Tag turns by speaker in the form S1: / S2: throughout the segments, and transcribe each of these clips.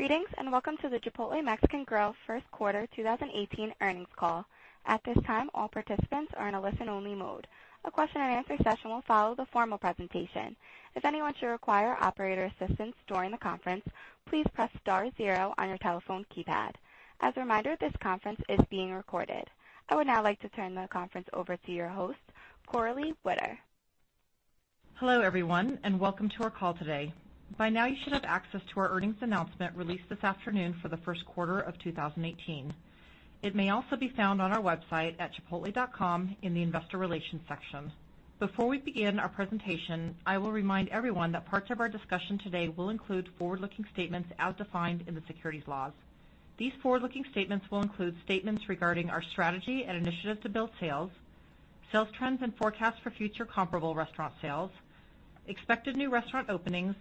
S1: Greetings, and welcome to the Chipotle Mexican Grill first quarter 2018 earnings call. At this time, all participants are in a listen-only mode. A question and answer session will follow the formal presentation. If anyone should require operator assistance during the conference, please press star zero on your telephone keypad. As a reminder, this conference is being recorded. I would now like to turn the conference over to your host, Coralie Witter.
S2: Hello, everyone, and welcome to our call today. By now, you should have access to our earnings announcement released this afternoon for the first quarter of 2018. It may also be found on our website at chipotle.com in the investor relations section. Before we begin our presentation, I will remind everyone that parts of our discussion today will include forward-looking statements as defined in the securities laws. These forward-looking statements will include statements regarding our strategy and initiatives to build sales trends and forecasts for future comparable restaurant sales, expected new restaurant openings,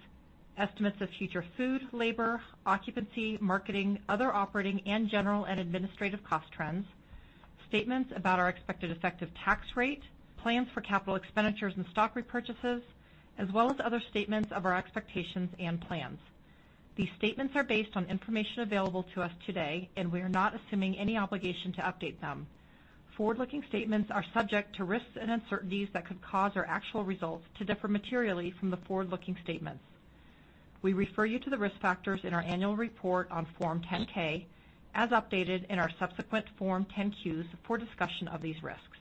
S2: estimates of future food, labor, occupancy, marketing, other operating and general and administrative cost trends, statements about our expected effective tax rate, plans for capital expenditures and stock repurchases, as well as other statements of our expectations and plans. These statements are based on information available to us today, and we are not assuming any obligation to update them. Forward-looking statements are subject to risks and uncertainties that could cause our actual results to differ materially from the forward-looking statements. We refer you to the risk factors in our annual report on Form 10-K, as updated in our subsequent Form 10-Qs, for a discussion of these risks.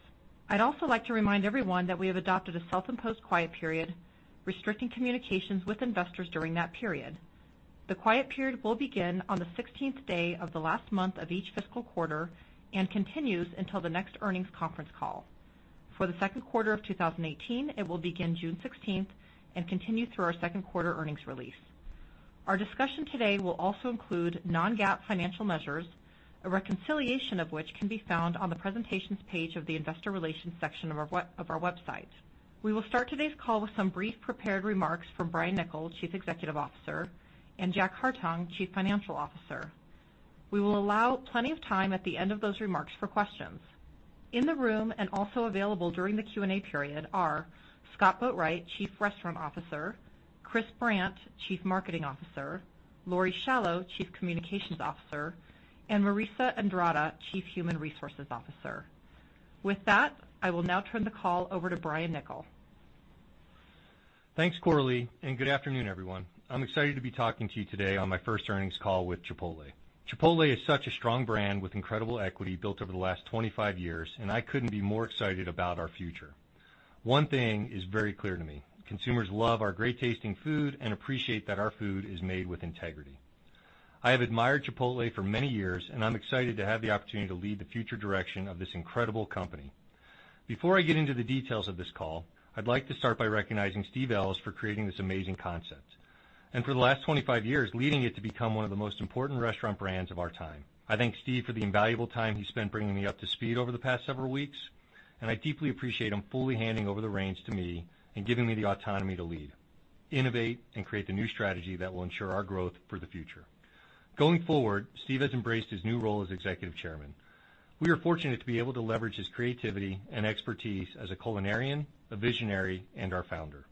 S2: I'd also like to remind everyone that we have adopted a self-imposed quiet period restricting communications with investors during that period. The quiet period will begin on the 16th day of the last month of each fiscal quarter and continues until the next earnings conference call. For the second quarter of 2018, it will begin June 16th and continue through our second quarter earnings release. Our discussion today will also include non-GAAP financial measures, a reconciliation of which can be found on the presentations page of the investor relations section of our website. We will start today's call with some brief prepared remarks from Brian Niccol, Chief Executive Officer, and Jack Hartung, Chief Financial Officer. We will allow plenty of time at the end of those remarks for questions. In the room and also available during the Q&A period are Scott Boatwright, Chief Restaurant Officer, Chris Brandt, Chief Marketing Officer, Lori Schalow, Chief Communications Officer, and Marissa Andrada, Chief Human Resources Officer. With that, I will now turn the call over to Brian Niccol.
S3: Thanks, Coralie, and good afternoon, everyone. I'm excited to be talking to you today on my first earnings call with Chipotle. Chipotle is such a strong brand with incredible equity built over the last 25 years, and I couldn't be more excited about our future. One thing is very clear to me. Consumers love our great-tasting food and appreciate that our food is made with integrity. I have admired Chipotle for many years, and I'm excited to have the opportunity to lead the future direction of this incredible company. Before I get into the details of this call, I'd like to start by recognizing Steve Ells for creating this amazing concept and for the last 25 years, leading it to become one of the most important restaurant brands of our time. I thank Steve for the invaluable time he spent bringing me up to speed over the past several weeks, and I deeply appreciate him fully handing over the reins to me and giving me the autonomy to lead, innovate, and create the new strategy that will ensure our growth for the future. Going forward, Steve has embraced his new role as Executive Chairman. We are fortunate to be able to leverage his creativity and expertise as a culinarian, a visionary, and our founder.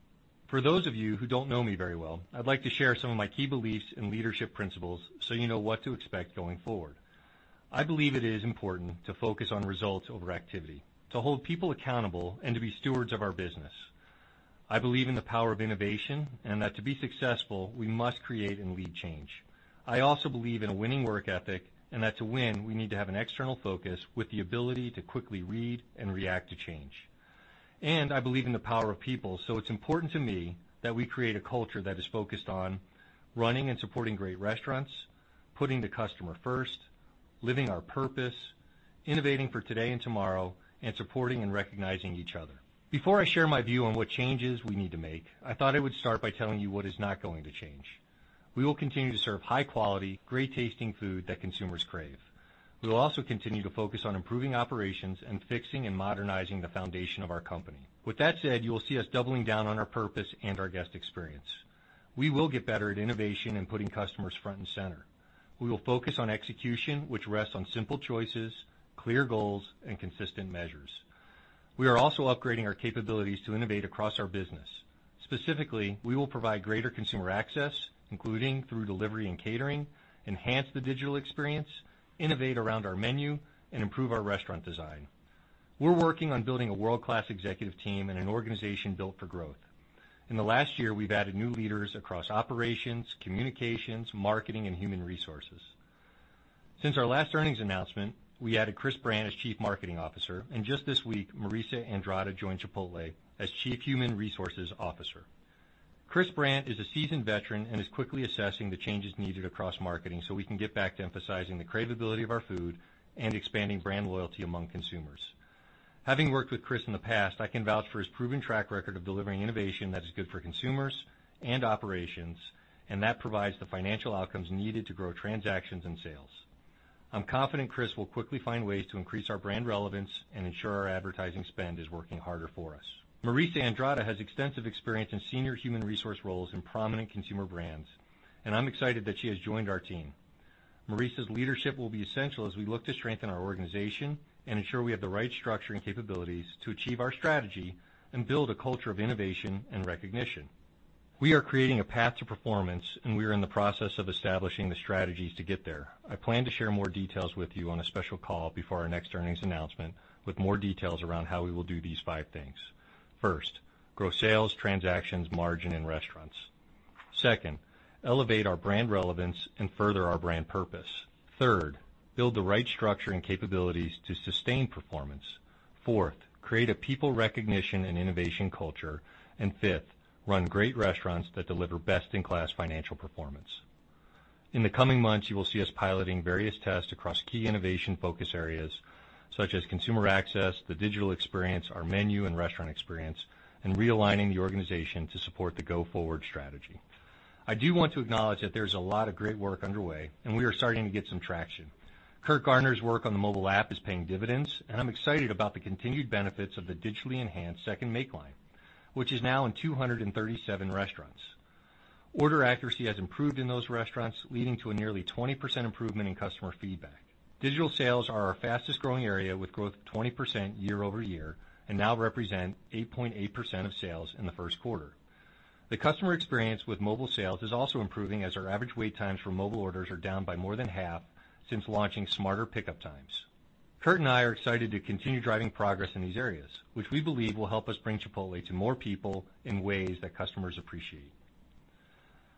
S3: For those of you who don't know me very well, I'd like to share some of my key beliefs and leadership principles so you know what to expect going forward. I believe it is important to focus on results over activity, to hold people accountable, and to be stewards of our business. I believe in the power of innovation and that to be successful, we must create and lead change. I also believe in a winning work ethic and that to win, we need to have an external focus with the ability to quickly read and react to change. I believe in the power of people, so it's important to me that we create a culture that is focused on running and supporting great restaurants, putting the customer first, living our purpose, innovating for today and tomorrow, and supporting and recognizing each other. Before I share my view on what changes we need to make, I thought I would start by telling you what is not going to change. We will continue to serve high-quality, great-tasting food that consumers crave. We will also continue to focus on improving operations and fixing and modernizing the foundation of our company. With that said, you will see us doubling down on our purpose and our guest experience. We will get better at innovation and putting customers front and center. We will focus on execution, which rests on simple choices, clear goals, and consistent measures. We are also upgrading our capabilities to innovate across our business. Specifically, we will provide greater consumer access, including through delivery and catering, enhance the digital experience, innovate around our menu, and improve our restaurant design. We're working on building a world-class executive team and an organization built for growth. In the last year, we've added new leaders across operations, communications, marketing, and human resources. Since our last earnings announcement, we added Chris Brandt as Chief Marketing Officer, and just this week, Marissa Andrada joined Chipotle as Chief Human Resources Officer. Chris Brandt is a seasoned veteran and is quickly assessing the changes needed across marketing so we can get back to emphasizing the cravability of our food and expanding brand loyalty among consumers. Having worked with Chris in the past, I can vouch for his proven track record of delivering innovation that is good for consumers and operations, and that provides the financial outcomes needed to grow transactions and sales. I'm confident Chris will quickly find ways to increase our brand relevance and ensure our advertising spend is working harder for us. Marissa Andrada has extensive experience in senior human resource roles in prominent consumer brands. I'm excited that she has joined our team. Marissa's leadership will be essential as we look to strengthen our organization and ensure we have the right structure and capabilities to achieve our strategy and build a culture of innovation and recognition. We are creating a path to performance, and we are in the process of establishing the strategies to get there. I plan to share more details with you on a special call before our next earnings announcement, with more details around how we will do these five things. First, grow sales, transactions, margin, and restaurants. Second, elevate our brand relevance and further our brand purpose. Third, build the right structure and capabilities to sustain performance. Fourth, create a people recognition and innovation culture. Fifth, run great restaurants that deliver best-in-class financial performance. In the coming months, you will see us piloting various tests across key innovation focus areas such as consumer access, the digital experience, our menu and restaurant experience, and realigning the organization to support the go-forward strategy. I do want to acknowledge that there's a lot of great work underway, and we are starting to get some traction. Curt Garner's work on the mobile app is paying dividends, and I'm excited about the continued benefits of the digitally enhanced second make line, which is now in 237 restaurants. Order accuracy has improved in those restaurants, leading to a nearly 20% improvement in customer feedback. Digital sales are our fastest-growing area, with growth of 20% year-over-year, and now represent 8.8% of sales in the first quarter. The customer experience with mobile sales is also improving, as our average wait times for mobile orders are down by more than half since launching smarter pickup times. Curt and I are excited to continue driving progress in these areas, which we believe will help us bring Chipotle to more people in ways that customers appreciate.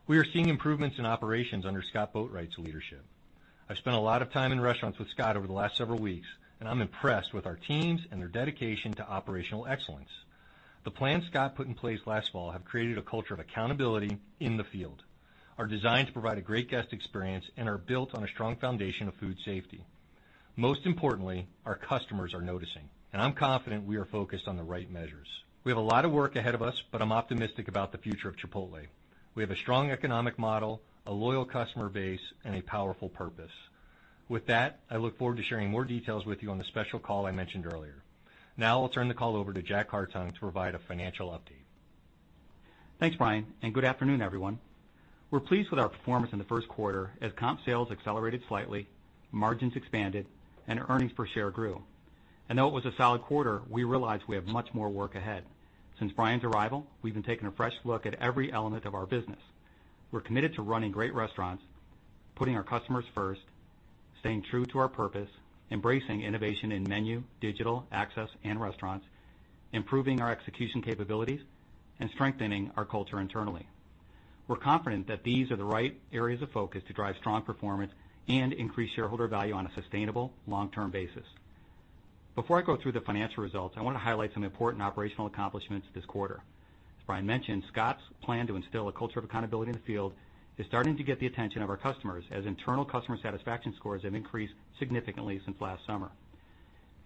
S3: We are seeing improvements in operations under Scott Boatwright's leadership. I've spent a lot of time in restaurants with Scott over the last several weeks, and I'm impressed with our teams and their dedication to operational excellence. The plans Scott put in place last fall have created a culture of accountability in the field, are designed to provide a great guest experience, and are built on a strong foundation of food safety. Most importantly, our customers are noticing, and I'm confident we are focused on the right measures. We have a lot of work ahead of us, but I'm optimistic about the future of Chipotle. We have a strong economic model, a loyal customer base, and a powerful purpose. With that, I look forward to sharing more details with you on the special call I mentioned earlier. Now, I'll turn the call over to Jack Hartung to provide a financial update.
S4: Thanks, Brian, and good afternoon, everyone. We're pleased with our performance in the first quarter as comp sales accelerated slightly, margins expanded, and earnings per share grew. Though it was a solid quarter, we realize we have much more work ahead. Since Brian's arrival, we've been taking a fresh look at every element of our business. We're committed to running great restaurants, putting our customers first, staying true to our purpose, embracing innovation in menu, digital access and restaurants, improving our execution capabilities, and strengthening our culture internally. We're confident that these are the right areas of focus to drive strong performance and increase shareholder value on a sustainable long-term basis. Before I go through the financial results, I want to highlight some important operational accomplishments this quarter. As Brian mentioned, Scott's plan to instill a culture of accountability in the field is starting to get the attention of our customers, as internal customer satisfaction scores have increased significantly since last summer.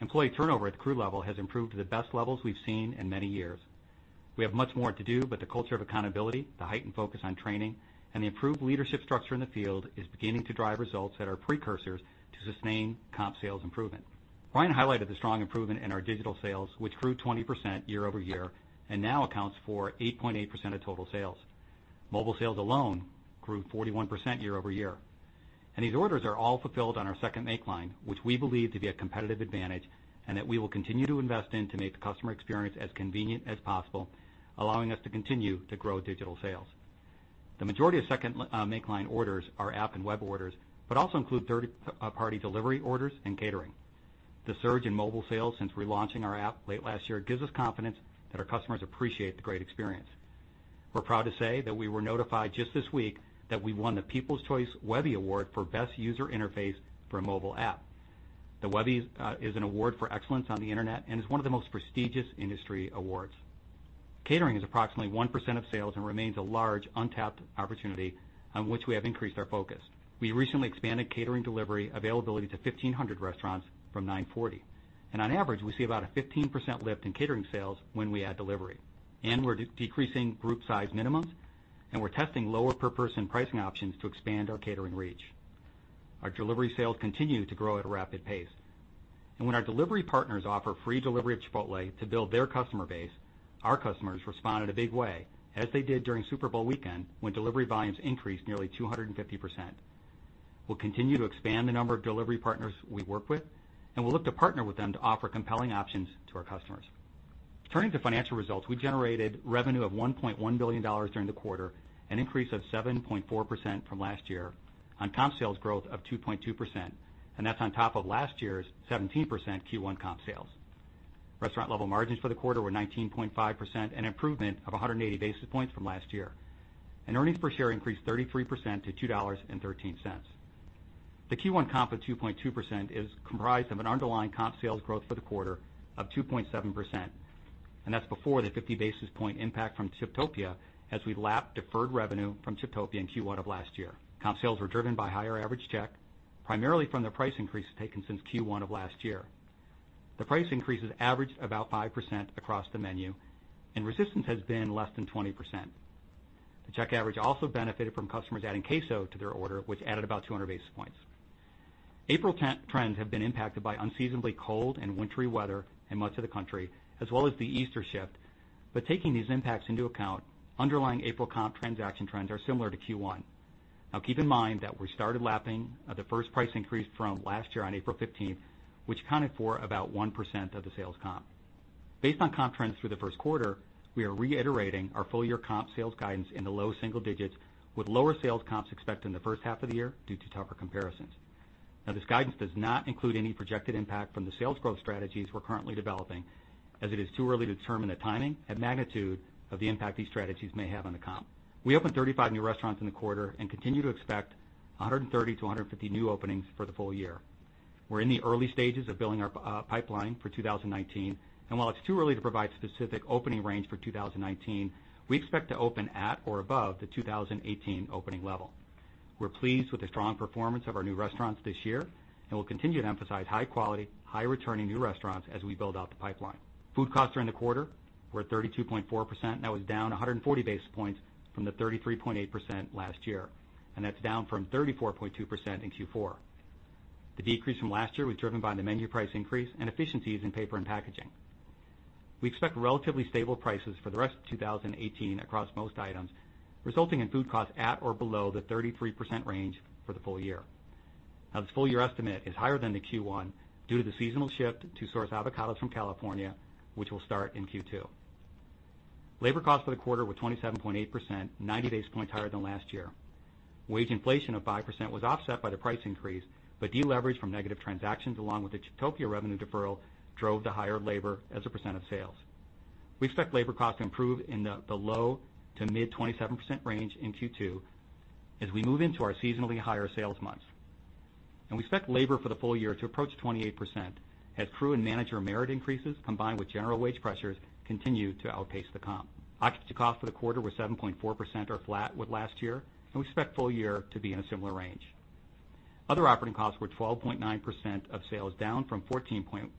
S4: Employee turnover at the crew level has improved to the best levels we've seen in many years. We have much more to do, but the culture of accountability, the heightened focus on training, and the improved leadership structure in the field is beginning to drive results that are precursors to sustained comp sales improvement. Brian highlighted the strong improvement in our digital sales, which grew 20% year-over-year and now accounts for 8.8% of total sales. Mobile sales alone grew 41% year-over-year. These orders are all fulfilled on our second make line, which we believe to be a competitive advantage and that we will continue to invest in to make the customer experience as convenient as possible, allowing us to continue to grow digital sales. The majority of second make line orders are app and web orders, but also include third-party delivery orders and catering. The surge in mobile sales since relaunching our app late last year gives us confidence that our customers appreciate the great experience. We're proud to say that we were notified just this week that we won the People's Choice Webby Award for best user interface for a mobile app. The Webby is an award for excellence on the Internet and is one of the most prestigious industry awards. Catering is approximately 1% of sales and remains a large untapped opportunity on which we have increased our focus. We recently expanded catering delivery availability to 1,500 restaurants from 940. On average, we see about a 15% lift in catering sales when we add delivery. We're decreasing group size minimums, and we're testing lower per person pricing options to expand our catering reach. Our delivery sales continue to grow at a rapid pace. When our delivery partners offer free delivery of Chipotle to build their customer base, our customers respond in a big way, as they did during Super Bowl weekend, when delivery volumes increased nearly 250%. We'll continue to expand the number of delivery partners we work with, and we'll look to partner with them to offer compelling options to our customers. Turning to financial results, we generated revenue of $1.1 billion during the quarter, an increase of 7.4% from last year on comp sales growth of 2.2%, and that's on top of last year's 17% Q1 comp sales. Restaurant level margins for the quarter were 19.5%, an improvement of 180 basis points from last year. Earnings per share increased 33% to $2.13. The Q1 comp of 2.2% is comprised of an underlying comp sales growth for the quarter of 2.7%, and that's before the 50 basis point impact from Chiptopia, as we lapped deferred revenue from Chiptopia in Q1 of last year. Comp sales were driven by higher average check, primarily from the price increases taken since Q1 of last year. The price increases averaged about 5% across the menu, and resistance has been less than 20%. The check average also benefited from customers adding queso to their order, which added about 200 basis points. April trends have been impacted by unseasonably cold and wintry weather in much of the country, as well as the Easter shift. Taking these impacts into account, underlying April comp transaction trends are similar to Q1. Keep in mind that we started lapping the first price increase from last year on April 15th, which accounted for about 1% of the sales comp. Based on comp trends through the first quarter, we are reiterating our full year comp sales guidance in the low single digits, with lower sales comps expected in the first half of the year due to tougher comparisons. This guidance does not include any projected impact from the sales growth strategies we're currently developing, as it is too early to determine the timing and magnitude of the impact these strategies may have on the comp. We opened 35 new restaurants in the quarter and continue to expect 130 to 150 new openings for the full year. We're in the early stages of building our pipeline for 2019, while it's too early to provide specific opening range for 2019, we expect to open at or above the 2018 opening level. We're pleased with the strong performance of our new restaurants this year, and we'll continue to emphasize high-quality, high-returning new restaurants as we build out the pipeline. Food costs during the quarter were 32.4%, that was down 140 basis points from the 33.8% last year, and that's down from 34.2% in Q4. The decrease from last year was driven by the menu price increase and efficiencies in paper and packaging. We expect relatively stable prices for the rest of 2018 across most items, resulting in food costs at or below the 33% range for the full year. This full-year estimate is higher than the Q1 due to the seasonal shift to source avocados from California, which will start in Q2. Labor costs for the quarter were 27.8%, 90 basis points higher than last year. Wage inflation of 5% was offset by the price increase, but deleverage from negative transactions, along with the Chiptopia revenue deferral, drove the higher labor as a percent of sales. We expect labor costs to improve in the low to mid 27% range in Q2 as we move into our seasonally higher sales months. We expect labor for the full year to approach 28% as crew and manager merit increases, combined with general wage pressures, continue to outpace the comp. Occupancy costs for the quarter were 7.4%, or flat with last year. We expect full year to be in a similar range. Other operating costs were 12.9% of sales, down from 14.1%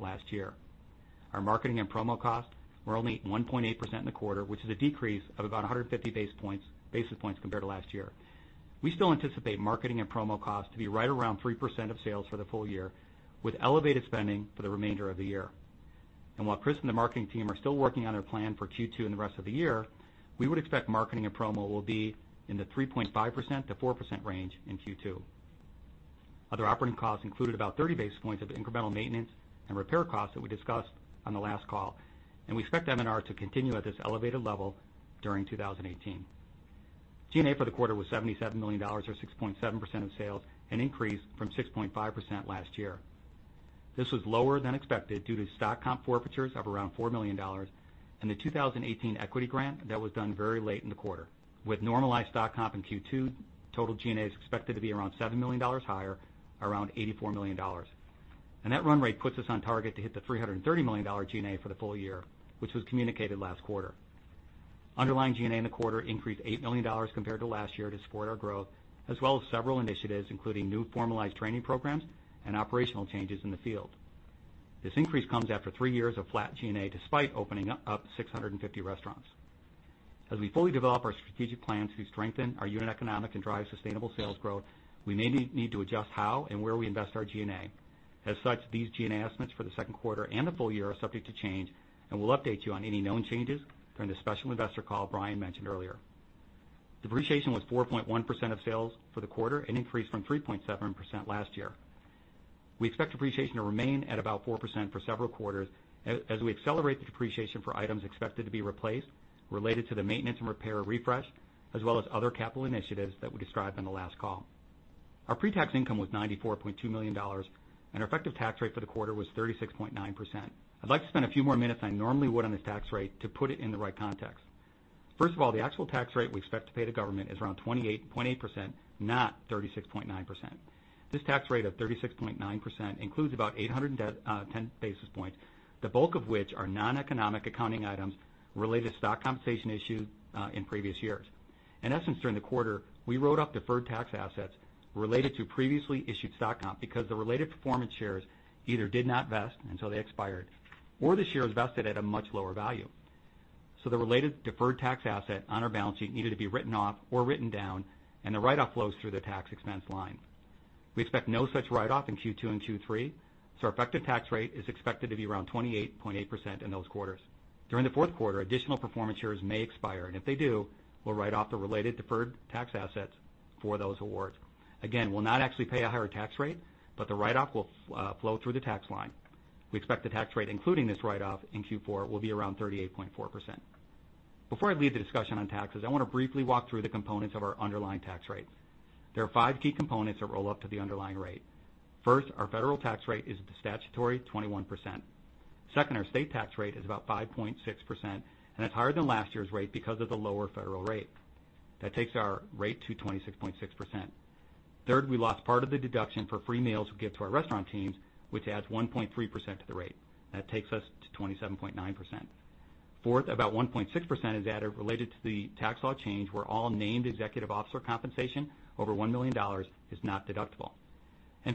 S4: last year. Our marketing and promo costs were only 1.8% in the quarter, which is a decrease of about 150 basis points compared to last year. We still anticipate marketing and promo costs to be right around 3% of sales for the full year, with elevated spending for the remainder of the year. While Chris and the marketing team are still working on their plan for Q2 and the rest of the year, we would expect marketing and promo will be in the 3.5%-4% range in Q2. Other operating costs included about 30 basis points of incremental maintenance and repair costs that we discussed on the last call. We expect M&R to continue at this elevated level during 2018. G&A for the quarter was $77 million, or 6.7% of sales, an increase from 6.5% last year. This was lower than expected due to stock comp forfeitures of around $4 million and the 2018 equity grant that was done very late in the quarter. With normalized stock comp in Q2, total G&A is expected to be around $7 million higher, around $84 million. That run rate puts us on target to hit the $330 million G&A for the full year, which was communicated last quarter. Underlying G&A in the quarter increased $8 million compared to last year to support our growth, as well as several initiatives, including new formalized training programs and operational changes in the field. This increase comes after three years of flat G&A, despite opening up 650 restaurants. As we fully develop our strategic plans to strengthen our unit economic and drive sustainable sales growth, we may need to adjust how and where we invest our G&A. As such, these G&A estimates for the second quarter and the full year are subject to change. We'll update you on any known changes during the special investor call Brian mentioned earlier. Depreciation was 4.1% of sales for the quarter and increased from 3.7% last year. We expect depreciation to remain at about 4% for several quarters as we accelerate the depreciation for items expected to be replaced related to the maintenance and repair refresh, as well as other capital initiatives that we described on the last call. Our pre-tax income was $94.2 million, and our effective tax rate for the quarter was 36.9%. I'd like to spend a few more minutes than I normally would on this tax rate to put it in the right context. First of all, the actual tax rate we expect to pay the government is around 28.8%, not 36.9%. This tax rate of 36.9% includes about 810 basis points, the bulk of which are non-economic accounting items related to stock compensation issued in previous years. In essence, during the quarter, we wrote off deferred tax assets related to previously issued stock comp because the related performance shares either did not vest, and so they expired, or the shares vested at a much lower value. The related deferred tax asset on our balance sheet needed to be written off or written down, and the write-off flows through the tax expense line. We expect no such write-off in Q2 and Q3, so our effective tax rate is expected to be around 28.8% in those quarters. During the fourth quarter, additional performance shares may expire, and if they do, we'll write off the related deferred tax assets for those awards. Again, we'll not actually pay a higher tax rate, but the write-off will flow through the tax line. We expect the tax rate, including this write-off in Q4, will be around 38.4%. Before I leave the discussion on taxes, I want to briefly walk through the components of our underlying tax rate. There are five key components that roll up to the underlying rate. First, our federal tax rate is the statutory 21%. Second, our state tax rate is about 5.6%, and it's higher than last year's rate because of the lower federal rate. That takes our rate to 26.6%. Third, we lost part of the deduction for free meals we give to our restaurant teams, which adds 1.3% to the rate. That takes us to 27.9%. Fourth, about 1.6% is added related to the tax law change, where all named executive officer compensation over $1 million is not deductible.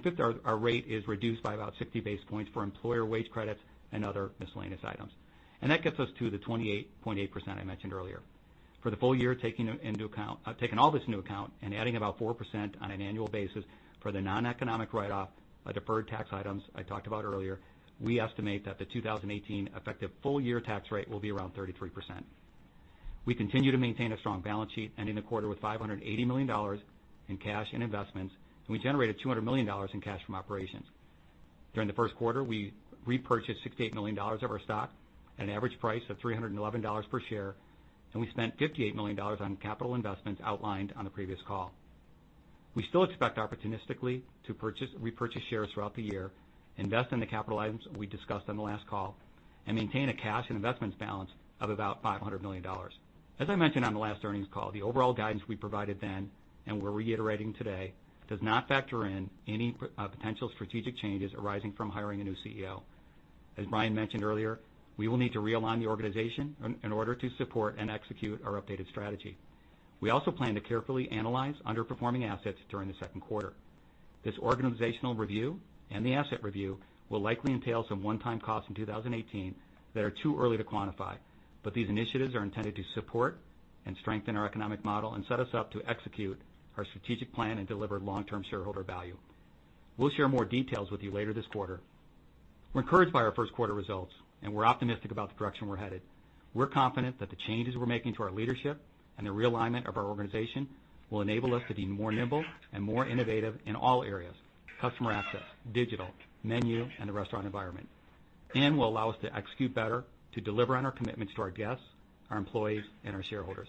S4: Fifth, our rate is reduced by about 60 basis points for employer wage credits and other miscellaneous items. That gets us to the 28.8% I mentioned earlier. For the full year, taking all this into account and adding about 4% on an annual basis for the non-economic write-off of deferred tax items I talked about earlier, we estimate that the 2018 effective full-year tax rate will be around 33%. We continue to maintain a strong balance sheet, ending the quarter with $580 million in cash and investments, and we generated $200 million in cash from operations. During the first quarter, we repurchased $68 million of our stock at an average price of $311 per share, and we spent $58 million on capital investments outlined on a previous call. We still expect opportunistically to repurchase shares throughout the year, invest in the capital items we discussed on the last call, and maintain a cash and investments balance of about $500 million. As I mentioned on the last earnings call, the overall guidance we provided then, and we're reiterating today, does not factor in any potential strategic changes arising from hiring a new CEO. As Brian mentioned earlier, we will need to realign the organization in order to support and execute our updated strategy. We also plan to carefully analyze underperforming assets during the second quarter. This organizational review and the asset review will likely entail some one-time costs in 2018 that are too early to quantify. These initiatives are intended to support and strengthen our economic model and set us up to execute our strategic plan and deliver long-term shareholder value. We'll share more details with you later this quarter. We're encouraged by our first quarter results. We're optimistic about the direction we're headed. We're confident that the changes we're making to our leadership and the realignment of our organization will enable us to be more nimble and more innovative in all areas, customer access, digital, menu, and the restaurant environment, will allow us to execute better to deliver on our commitments to our guests, our employees, and our shareholders.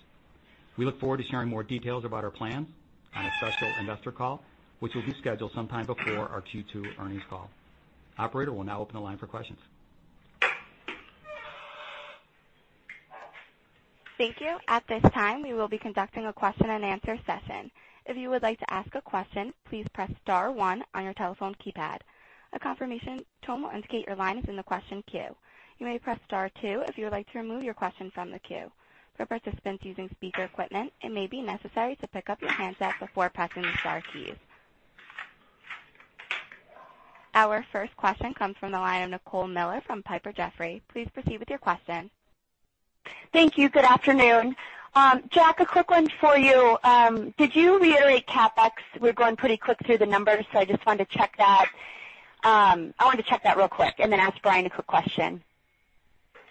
S4: We look forward to sharing more details about our plans on a special investor call, which will be scheduled sometime before our Q2 earnings call. Operator, we'll now open the line for questions.
S1: Thank you. At this time, we will be conducting a question and answer session. If you would like to ask a question, please press *1 on your telephone keypad. A confirmation tone will indicate your line is in the question queue. You may press *2 if you would like to remove your question from the queue. For participants using speaker equipment, it may be necessary to pick up your handset before pressing the * keys. Our first question comes from the line of Nicole Miller from Piper Jaffray. Please proceed with your question.
S5: Thank you. Good afternoon. Jack, a quick one for you. Did you reiterate CapEx? We're going pretty quick through the numbers, I just wanted to check that real quick, then ask Brian a quick question.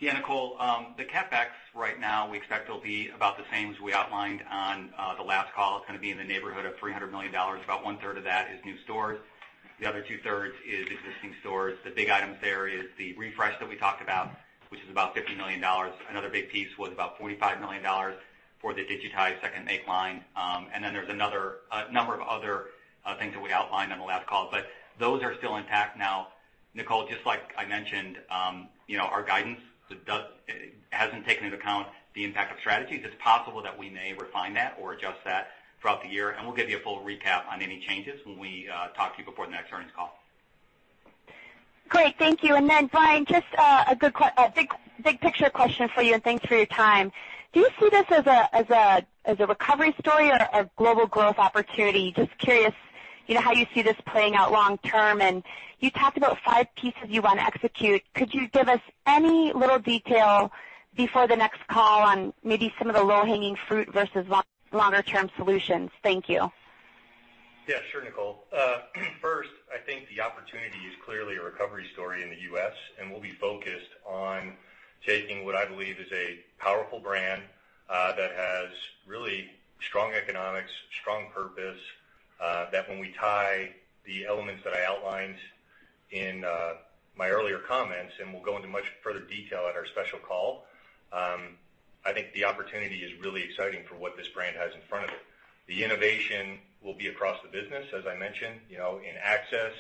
S4: Nicole. The CapEx right now we expect will be about the same as we outlined on the last call. It's going to be in the neighborhood of $300 million. About one-third of that is new stores. The other two-thirds is existing stores. The big item there is the refresh that we talked about, which is about $50 million. Another big piece was about $45 million for the digitized second make line. There's a number of other things that we outlined on the last call, but those are still intact now. Nicole, just like I mentioned, our guidance has not taken into account the impact of strategies. It's possible that we may refine that or adjust that throughout the year, and we'll give you a full recap on any changes when we talk to you before the next earnings call.
S5: Great. Thank you. Brian, just a big picture question for you, and thanks for your time. Do you see this as a recovery story or a global growth opportunity? Just curious how you see this playing out long term, and you talked about five pieces you want to execute. Could you give us any little detail before the next call on maybe some of the low-hanging fruit versus longer-term solutions? Thank you.
S3: Sure, Nicole. First, I think the opportunity is clearly a recovery story in the U.S., and we'll be focused on taking what I believe is a powerful brand that has really strong economics, strong purpose, that when we tie the elements that I outlined in my earlier comments, and we'll go into much further detail at our special call, I think the opportunity is really exciting for what this brand has in front of it. The innovation will be across the business, as I mentioned, in access,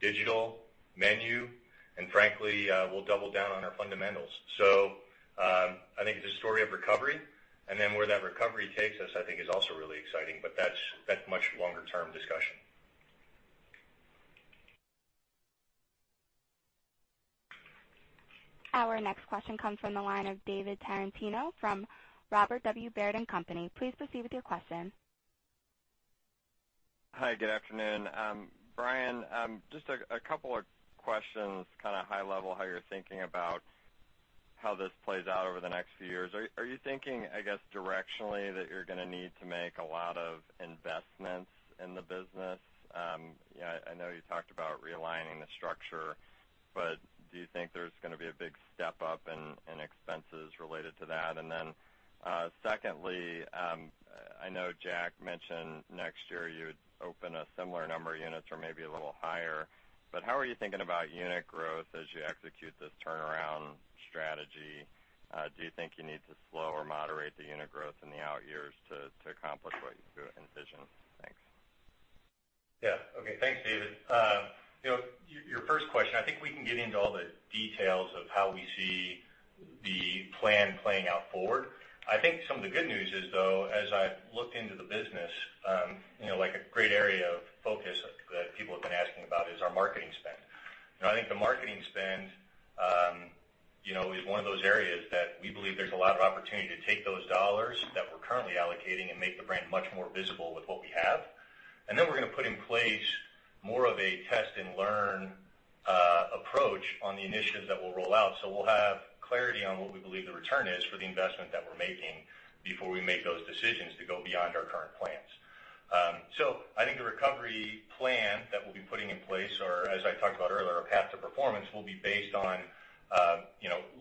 S3: digital, menu, and frankly, we'll double down on our fundamentals. I think it's a story of recovery. Where that recovery takes us, I think is also really exciting, but that's much longer-term discussion.
S1: Our next question comes from the line of David Tarantino from Robert W. Baird & Co.. Please proceed with your question.
S6: Hi, good afternoon. Brian, just a couple of questions, kind of high level, how you're thinking about how this plays out over the next few years. Are you thinking, I guess, directionally that you're going to need to make a lot of investments in the business? I know you talked about realigning the structure, do you think there's going to be a big step up in expenses related to that? Secondly, I know Jack mentioned next year you would open a similar number of units or maybe a little higher, how are you thinking about unit growth as you execute this turnaround strategy? Do you think you need to slow or moderate the unit growth in the out years to accomplish what you envision? Thanks.
S4: Yeah. Okay. Thanks, David. Your first question, I think we can get into all the details of how we see the plan playing out forward. I think some of the good news is, though, as I've looked into the business, like a great area of focus that people have been asking about is our marketing spend. I think the marketing spend is one of those areas that we believe there's a lot of opportunity to take those dollars that we're currently allocating and make the brand much more visible with what we have.
S3: We're going to put in place more of a test and learn approach on the initiatives that we'll roll out. We'll have clarity on what we believe the return is for the investment that we're making before we make those decisions to go beyond our current plans. I think the recovery plan that we'll be putting in place, or as I talked about earlier, our path to performance, will be based on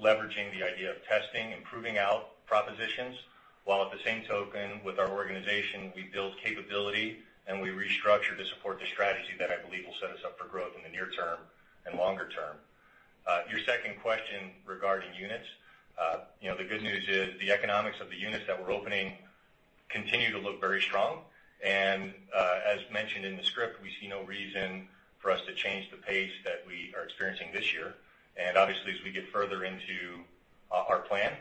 S3: leveraging the idea of testing, improving our propositions, while at the same token, with our organization, we build capability and we restructure to support the strategy that I believe will set us up for growth in the near term and longer term. Your second question regarding units. The good news is the economics of the units that we're opening continue to look very strong. As mentioned in the script, we see no reason for us to change the pace that we are experiencing this year. Obviously, as we get further into our plan,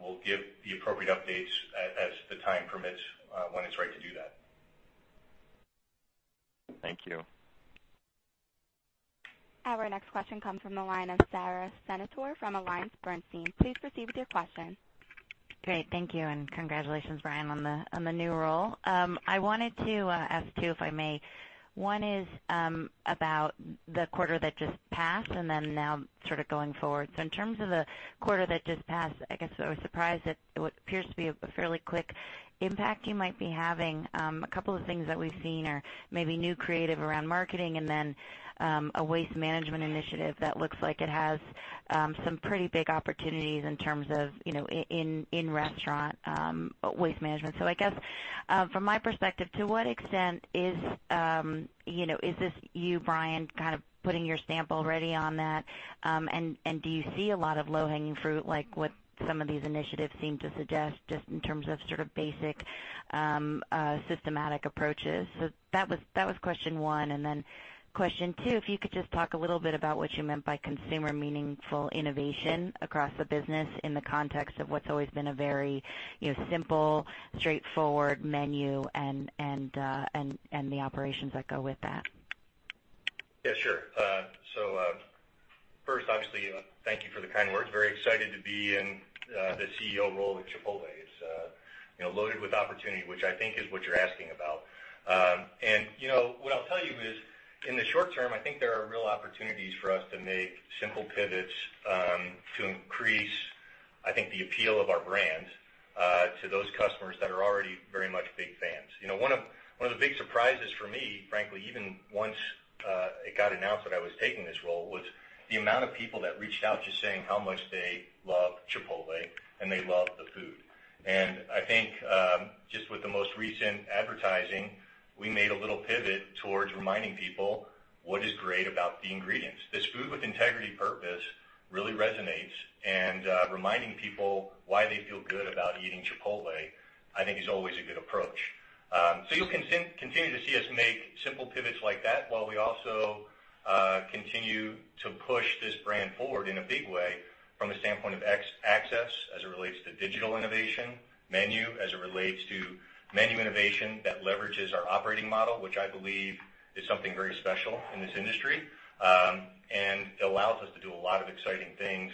S3: we'll give the appropriate updates as the time permits, when it's right to do that.
S6: Thank you.
S1: Our next question comes from the line of Sara Senatore from AllianceBernstein. Please proceed with your question.
S7: Great. Thank you, congratulations, Brian, on the new role. I wanted to ask two, if I may. One is about the quarter that just passed and then now sort of going forward. In terms of the quarter that just passed, I guess I was surprised at what appears to be a fairly quick impact you might be having. A couple of things that we've seen are maybe new creative around marketing and then a waste management initiative that looks like it has some pretty big opportunities in terms of in-restaurant waste management. I guess from my perspective, to what extent is this you, Brian, kind of putting your stamp already on that? Do you see a lot of low-hanging fruit like what some of these initiatives seem to suggest just in terms of sort of basic systematic approaches? That was question one. Question two, if you could just talk a little bit about what you meant by consumer meaningful innovation across the business in the context of what's always been a very simple, straightforward menu and the operations that go with that.
S3: Sure. First, obviously, thank you for the kind words. Very excited to be in the CEO role at Chipotle. It's loaded with opportunity, which I think is what you're asking about. What I'll tell you is, in the short term, I think there are real opportunities for us to make simple pivots to increase, I think, the appeal of our brand to those customers that are already very much big fans. One of the big surprises for me, frankly, even once it got announced that I was taking this role, was the amount of people that reached out just saying how much they love Chipotle and they love the food. I think, just with the most recent advertising, we made a little pivot towards reminding people what is great about the ingredients. This food with integrity purpose really resonates. Reminding people why they feel good about eating Chipotle, I think, is always a good approach. You'll continue to see us make simple pivots like that while we also continue to push this brand forward in a big way from a standpoint of access as it relates to digital innovation, menu as it relates to menu innovation that leverages our operating model, which I believe is something very special in this industry. Allows us to do a lot of exciting things,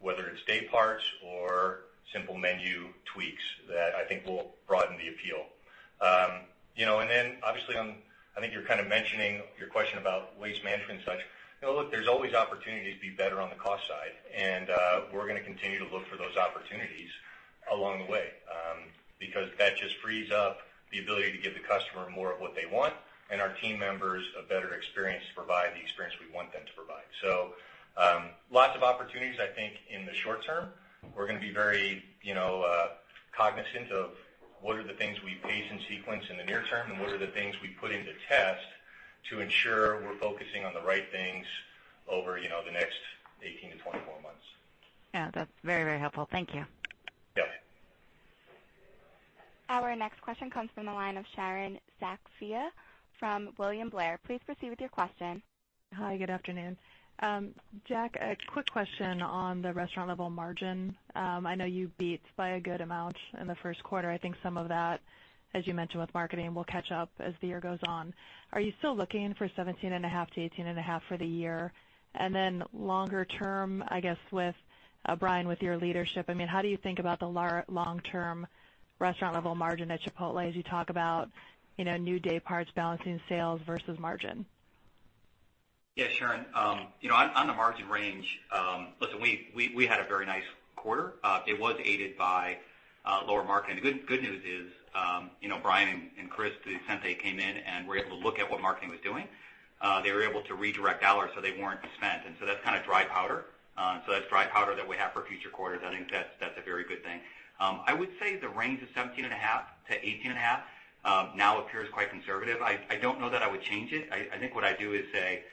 S3: whether it's day parts or simple menu tweaks that I think will broaden the appeal. Obviously, I think you're kind of mentioning your question about waste management and such. Look, there's always opportunities to be better on the cost side, and we're going to continue to look for those opportunities along the way, because that just frees up the ability to give the customer more of what they want and our team members a better experience to provide the experience we want them to provide. Lots of opportunities, I think, in the short term. We're going to be very cognizant of what are the things we pace and sequence in the near term and what are the things we put into test to ensure we're focusing on the right things over the next 18-24 months.
S7: That's very helpful. Thank you.
S3: Yeah.
S1: Our next question comes from the line of Sharon Zackfia from William Blair. Please proceed with your question.
S8: Hi, good afternoon. Jack, a quick question on the restaurant level margin. I know you beat by a good amount in the first quarter. I think some of that, as you mentioned with marketing, will catch up as the year goes on. Are you still looking for 17.5%-18.5% for the year? Longer term, I guess with Brian, with your leadership, how do you think about the long-term restaurant level margin at Chipotle as you talk about new day parts balancing sales versus margin?
S4: Yeah, Sharon. On the margin range, listen, we had a very nice quarter. It was aided by lower marketing. The good news is Brian and Chris, to the extent they came in and were able to look at what marketing was doing, they were able to redirect dollars so they weren't spent. That's kind of dry powder. That's dry powder that we have for future quarters. I think that's a very good thing. I would say the range of 17.5%-18.5% now appears quite conservative. I don't know that I would change it. I think what I do is say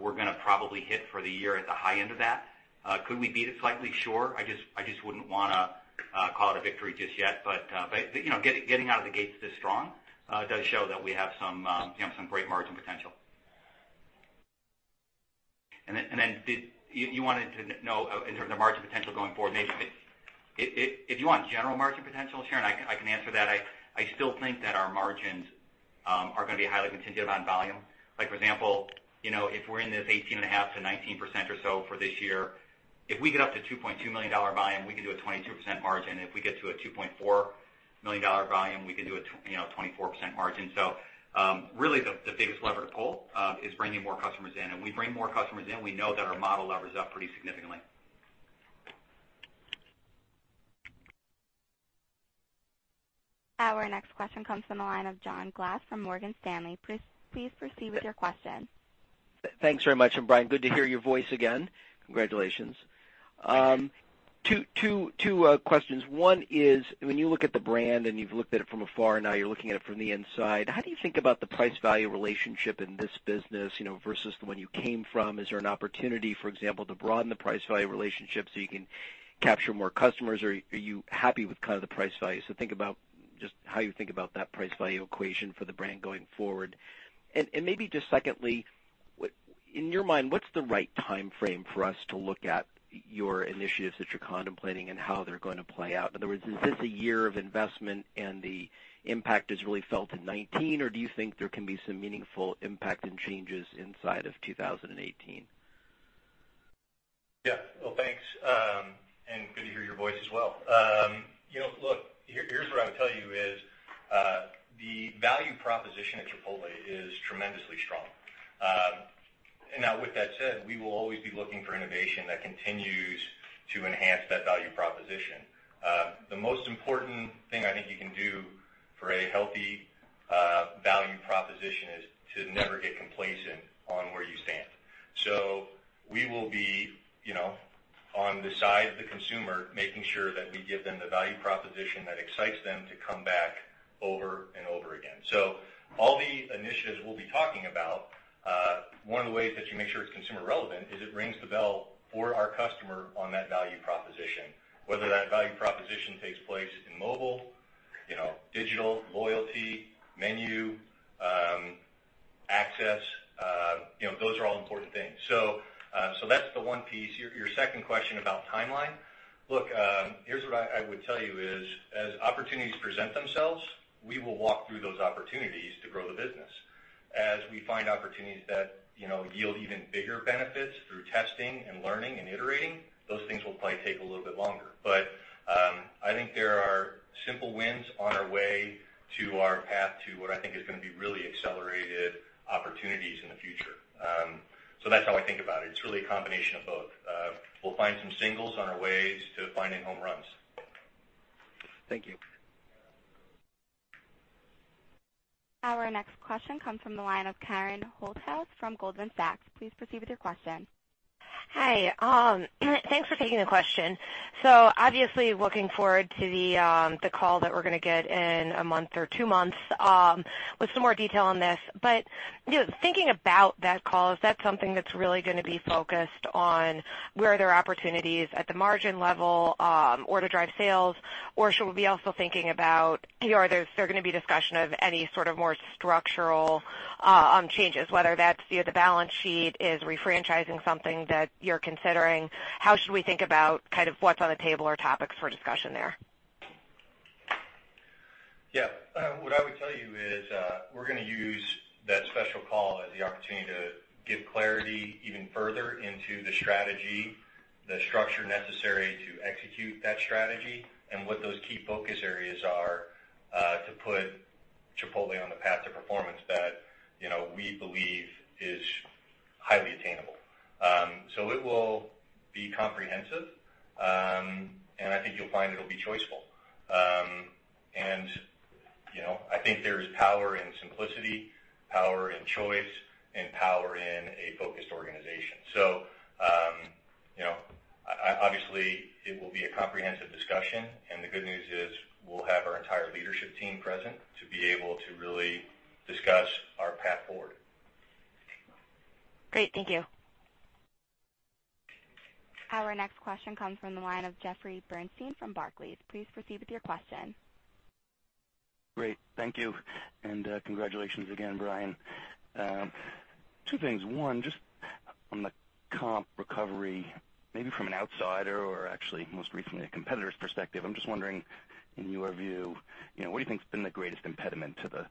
S4: we're going to probably hit for the year at the high end of that. Could we beat it slightly? Sure. I just wouldn't want to call it a victory just yet. Getting out of the gates this strong does show that we have some great margin potential. You wanted to know in terms of margin potential going forward. If you want general margin potential, Sharon, I can answer that. I still think that our margins are going to be highly contingent on volume. Like for example, if we're in this 18.5% to 19% or so for this year
S3: Really the biggest lever to pull is bringing more customers in. We bring more customers in, we know that our model levers up pretty significantly.
S1: Our next question comes from the line of John Glass from Morgan Stanley. Please proceed with your question.
S9: Thanks very much. Brian, good to hear your voice again. Congratulations. Two questions. One is, when you look at the brand and you've looked at it from afar, now you're looking at it from the inside, how do you think about the price-value relationship in this business versus the one you came from? Is there an opportunity, for example, to broaden the price-value relationship so you can capture more customers? Or are you happy with kind of the price value? Think about just how you think about that price value equation for the brand going forward. Maybe just secondly, in your mind, what's the right timeframe for us to look at your initiatives that you're contemplating and how they're going to play out? In other words, is this a year of investment and the impact is really felt in 2019, or do you think there can be some meaningful impact and changes inside of 2018?
S3: Well, thanks, and good to hear your voice as well. Look, here's what I would tell you is, the value proposition at Chipotle is tremendously strong. Now with that said, we will always be looking for innovation that continues to enhance that value proposition. The most important thing I think you can do for a healthy value proposition is to never get complacent on where you stand. We will be on the side of the consumer, making sure that we give them the value proposition that excites them to come back over and over again. All the initiatives we'll be talking about, one of the ways that you make sure it's consumer relevant is it rings the bell for our customer on that value proposition. Whether that value proposition takes place in mobile, digital loyalty, menu, access, those are all important things. That's the one piece. Your second question about timeline. Look, here's what I would tell you is, as opportunities present themselves, we will walk through those opportunities to grow the business. As we find opportunities that yield even bigger benefits through testing and learning and iterating, those things will probably take a little bit longer. I think there are simple wins on our way to our path to what I think is going to be really accelerated opportunities in the future. That's how I think about it. It's really a combination of both. We'll find some singles on our ways to finding home runs.
S9: Thank you.
S1: Our next question comes from the line of Karen Holthouse from Goldman Sachs. Please proceed with your question.
S10: Hi. Thanks for taking the question. Obviously looking forward to the call that we're going to get in a month or two months with some more detail on this. Thinking about that call, is that something that's really going to be focused on, were there opportunities at the margin level, or to drive sales, or should we be also thinking about, is there going to be a discussion of any sort of more structural changes, whether that's via the balance sheet? Is refranchising something that you're considering? How should we think about what's on the table or topics for discussion there?
S3: Yeah. What I would tell you is, we're going to use that special call as the opportunity to give clarity even further into the strategy, the structure necessary to execute that strategy, and what those key focus areas are, to put Chipotle on the path to performance that we believe is highly attainable. It will be comprehensive, and I think you'll find it'll be choiceful. I think there is power in simplicity, power in choice, and power in a focused organization. Obviously it will be a comprehensive discussion, and the good news is we'll have our entire leadership team present to be able to really discuss our path forward.
S10: Great. Thank you.
S1: Our next question comes from the line of Jeffrey Bernstein from Barclays. Please proceed with your question.
S11: Great. Thank you, and congratulations again, Brian. Two things. One, just on the comp recovery, maybe from an outsider or actually most recently a competitor's perspective, I am just wondering in your view, what do you think has been the greatest impediment to the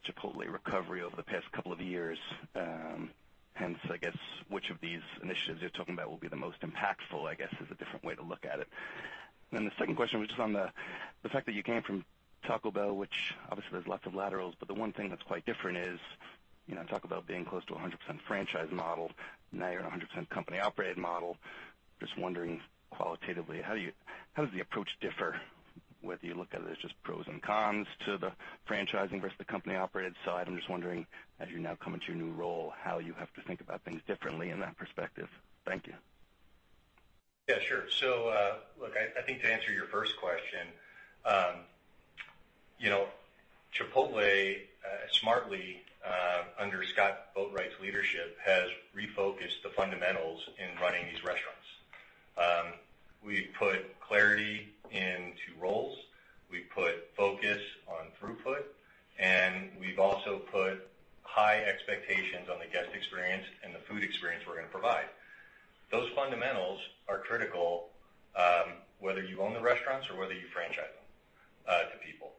S11: Chipotle recovery over the past couple of years? Hence, I guess, which of these initiatives you are talking about will be the most impactful, I guess, is a different way to look at it. The second question was just on the fact that you came from Taco Bell, which obviously there is lots of laterals, but the one thing that is quite different is, Taco Bell being close to 100% franchise model. Now you are in a 100% company-operated model. Just wondering qualitatively, how does the approach differ? Whether you look at it as just pros and cons to the franchising versus the company-operated side, I am just wondering, as you are now coming to your new role, how you have to think about things differently in that perspective. Thank you.
S3: Sure. Look, I think to answer your first question, Chipotle, smartly, under Scott Boatwright's leadership, has refocused the fundamentals in running these restaurants. We put clarity into roles, we put focus on throughput, and we have also put high expectations on the guest experience and the food experience we are going to provide. Those fundamentals are critical whether you own the restaurants or whether you franchise them to people.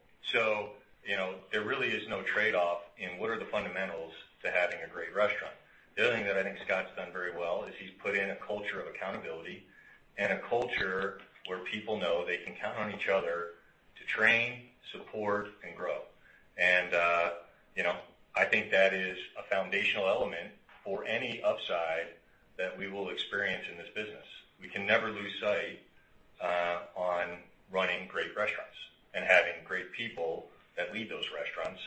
S3: There really is no trade-off in what are the fundamentals to having a great restaurant. The other thing that I think Scott has done very well is he has put in a culture of accountability and a culture where people know they can count on each other to train, support, and grow. I think that is a foundational element for any upside that we will experience in this business. We can never lose sight on running great restaurants and having great people that lead those restaurants,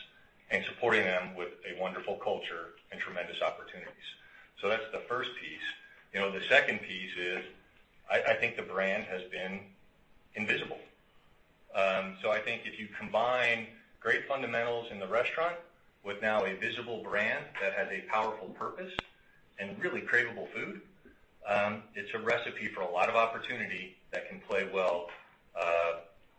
S3: and supporting them with a wonderful culture and tremendous opportunities. That is the first piece. The second piece is, I think the brand has been invisible. I think if you combine great fundamentals in the restaurant with now a visible brand that has a powerful purpose and really craveable food, it is a recipe for a lot of opportunity that can play well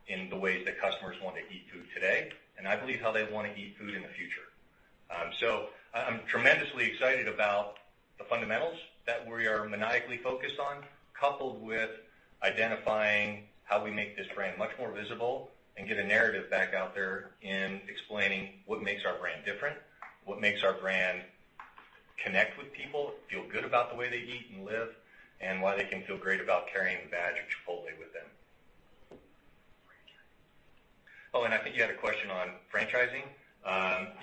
S3: in the ways that customers want to eat food today, and I believe how they want to eat food in the future. I'm tremendously excited about the fundamentals that we are maniacally focused on, coupled with identifying how we make this brand much more visible and get a narrative back out there in explaining what makes our brand different, what makes our brand connect with people, feel good about the way they eat and live, and why they can feel great about carrying the badge of Chipotle with them. I think you had a question on franchising.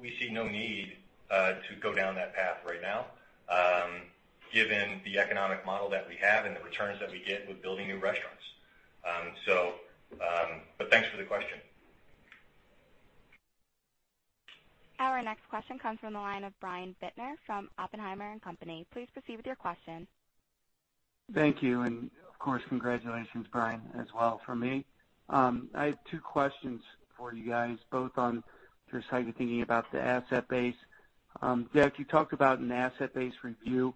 S3: We see no need to go down that path right now given the economic model that we have and the returns that we get with building new restaurants. Thanks for the question.
S1: Our next question comes from the line of Brian Bittner from Oppenheimer & Co. Inc. Please proceed with your question.
S12: Thank you. Congratulations, Brian, as well from me. I have two questions for you guys, both on just how you're thinking about the asset base. Jack, you talked about an asset-based review.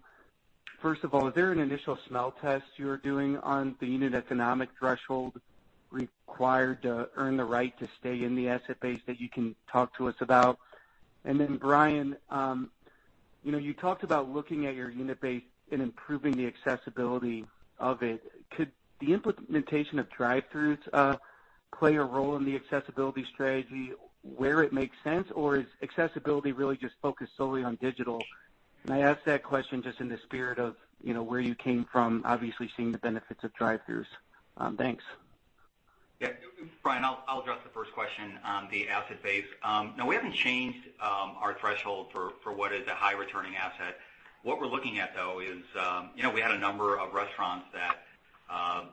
S12: Is there an initial smell test you're doing on the unit economic threshold required to earn the right to stay in the asset base that you can talk to us about? Brian, you talked about looking at your unit base and improving the accessibility of it. Could the implementation of drive-throughs play a role in the accessibility strategy where it makes sense? Is accessibility really just focused solely on digital? I ask that question just in the spirit of where you came from, obviously seeing the benefits of drive-throughs. Thanks.
S4: Brian, I'll address the first question on the asset base. No, we haven't changed our threshold for what is a high-returning asset. What we're looking at, though, is we had a number of restaurants that,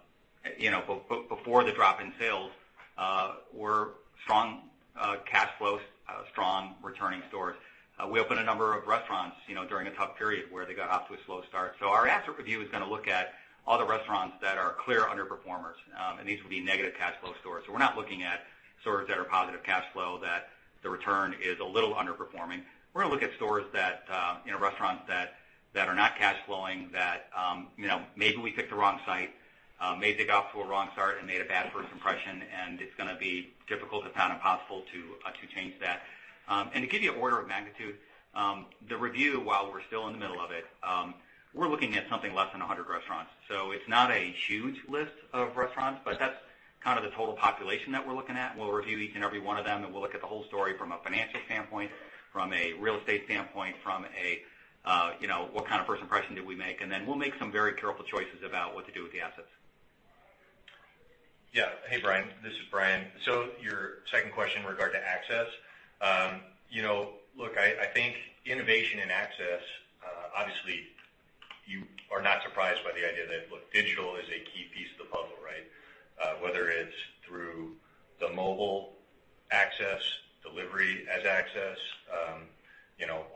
S4: before the drop in sales, were strong cash flows, strong returning stores. We opened a number of restaurants during a tough period where they got off to a slow start. Our asset review is going to look at all the restaurants that are clear underperformers, and these will be negative cash flow stores. We're not looking at stores that are positive cash flow, that the return is a little underperforming. We're going to look at restaurants that are not cash flowing, that maybe we picked the wrong site, maybe they got off to a wrong start and made a bad first impression, and it's going to be difficult to impossible to change that. To give you an order of magnitude, the review, while we're still in the middle of it, we're looking at something less than 100 restaurants. It's not a huge list of restaurants, but that's kind of the total population that we're looking at. We'll review each and every one of them, and we'll look at the whole story from a financial standpoint, from a real estate standpoint, from a what kind of first impression did we make? Then we'll make some very careful choices about what to do with the assets.
S3: Yeah. Hey, Brian. This is Brian. Your second question in regard to access. Look, I think innovation and access, obviously, you are not surprised by the idea that digital is a key piece of the puzzle, right? Whether it's through the mobile access, delivery as access,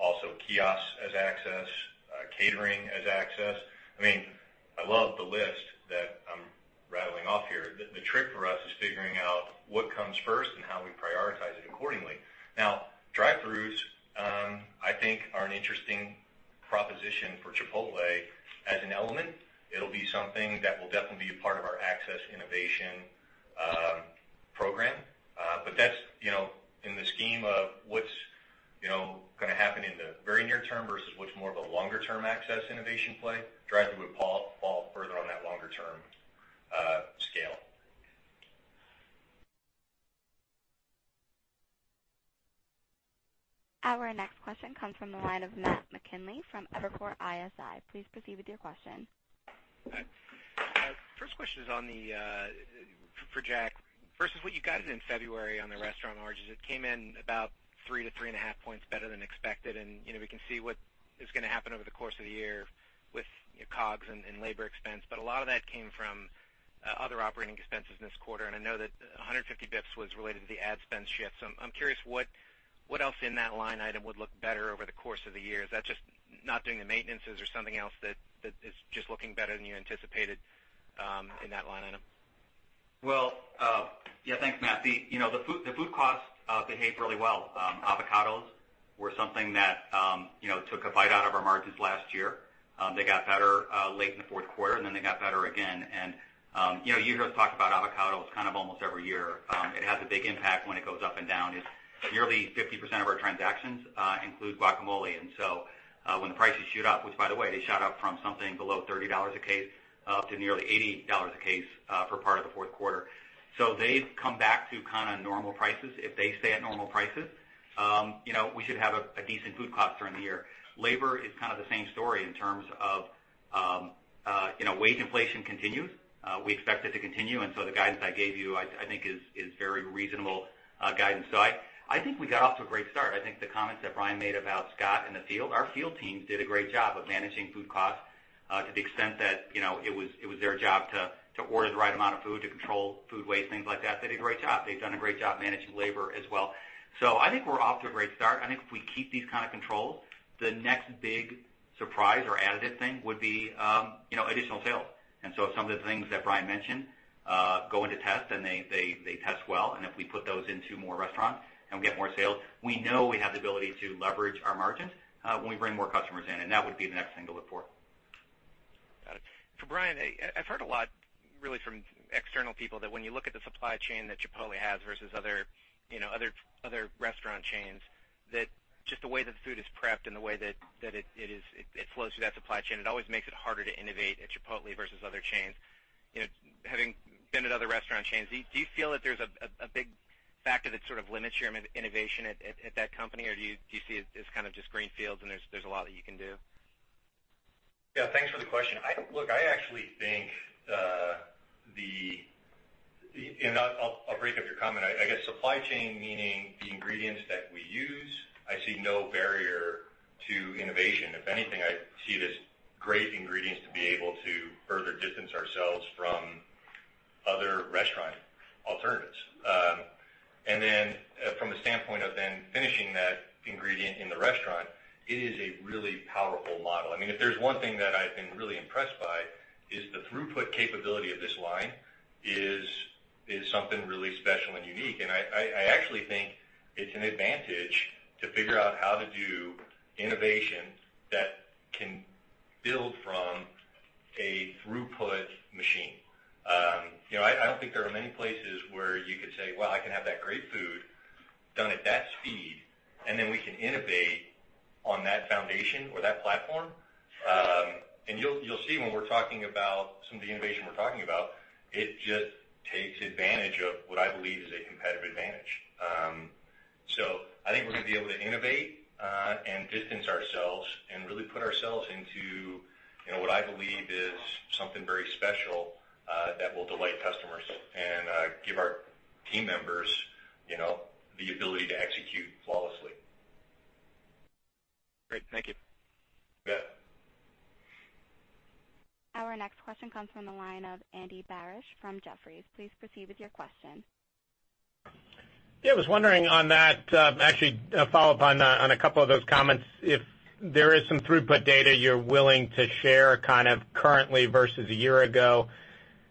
S3: also kiosks as access, catering as access. I love the list that I'm rattling off here. The trick for us is figuring out what comes first and how we prioritize it accordingly. Drive-throughs, I think are an interesting proposition for Chipotle as an element. It'll be something that will definitely be a part of our access innovation program. In the scheme of what's going to happen in the very near term versus what's more of a longer-term access innovation play, drive-through would fall further on that longer-term scale.
S1: Our next question comes from the line of Matthew McKinley from Evercore ISI. Please proceed with your question.
S13: First question is for Jack. First is what you guided in February on the restaurant margins. It came in about three to three and a half points better than expected, and we can see what is going to happen over the course of the year with COGS and labor expense. A lot of that came from other operating expenses this quarter, and I know that 150 basis points was related to the ad spend shift. I'm curious what else in that line item would look better over the course of the year? Is that just not doing the maintenances or something else that is just looking better than you anticipated in that line item?
S4: Well, yeah. Thanks, Matt. The food cost behaved really well. Avocados were something that took a bite out of our margins last year. They got better late in the fourth quarter, and then they got better again. You hear us talk about avocados kind of almost every year. It has a big impact when it goes up and down. Nearly 50% of our transactions include guacamole. When the prices shoot up, which by the way, they shot up from something below $30 a case up to nearly $80 a case for part of the fourth quarter. They've come back to kind of normal prices. If they stay at normal prices, we should have a decent food cost during the year. Labor is kind of the same story in terms of wage inflation continues. We expect it to continue, the guidance I gave you, I think is very reasonable guidance. I think we got off to a great start. I think the comments that Brian made about Scott and the field, our field teams did a great job of managing food costs, to the extent that it was their job to order the right amount of food, to control food waste, things like that. They did a great job. They've done a great job managing labor as well. I think we're off to a great start.
S3: I think if we keep these kind of controls, the next big surprise or additive thing would be additional sales. If some of the things that Brian mentioned go into test and they test well, if we put those into more restaurants and we get more sales, we know we have the ability to leverage our margins when we bring more customers in, that would be the next thing to look for.
S13: Got it. Brian, I've heard a lot really from external people, that when you look at the supply chain that Chipotle has versus other restaurant chains, that just the way that the food is prepped and the way that it flows through that supply chain, it always makes it harder to innovate at Chipotle versus other chains. Having been at other restaurant chains, do you feel that there's a big factor that sort of limits your innovation at that company? Or do you see it as kind of just green fields and there's a lot that you can do?
S3: Thanks for the question. Look, I'll break up your comment. I guess supply chain, meaning the ingredients that we use, I see no barrier to innovation. If anything, I see it as great ingredients to be able to further distance ourselves from other restaurant alternatives. From the standpoint of then finishing that ingredient in the restaurant, it is a really powerful model. If there's one thing that I've been really impressed by is the throughput capability of this line is something really special and unique. I actually think it's an advantage to figure out how to do innovation that can build from a throughput machine. I don't think there are many places where you could say, "Well, I can have that great food done at that speed," then we can innovate on that foundation or that platform. You'll see when we're talking about some of the innovation we're talking about, it just takes advantage of what I believe is a competitive advantage. I think we're going to be able to innovate and distance ourselves and really put ourselves into what I believe is something very special that will delight customers and give our team members the ability to execute flawlessly.
S13: Great. Thank you.
S3: You bet.
S1: Our next question comes from the line of Andy Barish from Jefferies. Please proceed with your question.
S14: Yeah, I was wondering on that, actually a follow-up on a couple of those comments, if there is some throughput data you're willing to share kind of currently versus a year ago?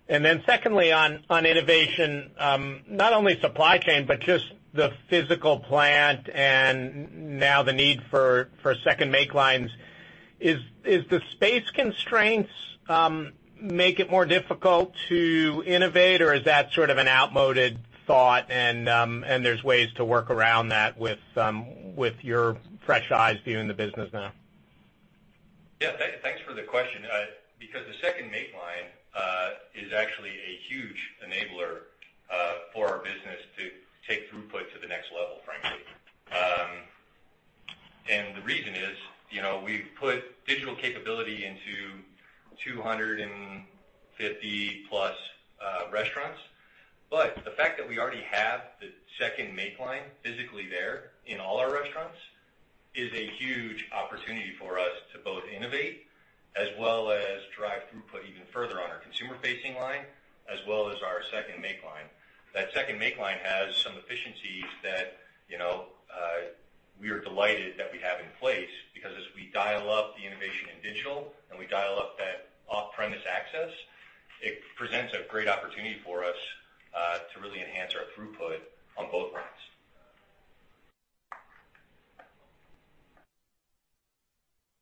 S14: Secondly, on innovation, not only supply chain, but just the physical plant and now the need for 2nd make lines. Is the space constraints make it more difficult to innovate, or is that sort of an outmoded thought and there's ways to work around that with your fresh eyes viewing the business now?
S3: Yeah. Thanks for the question. The 2nd make line is actually a huge enabler for our business to take throughput to the next level, frankly. The reason is, we've put digital capability into 250+ restaurants. The fact that we already have the 2nd make line physically there in all our restaurants is a huge opportunity for us to both innovate as well as drive throughput even further on our consumer-facing line, as well as our 2nd make line. That 2nd make line has some efficiencies that we are delighted that we have in place because as we dial up the innovation in digital and we dial up that off-premise access, it presents a great opportunity for us to really enhance our throughput on both lines.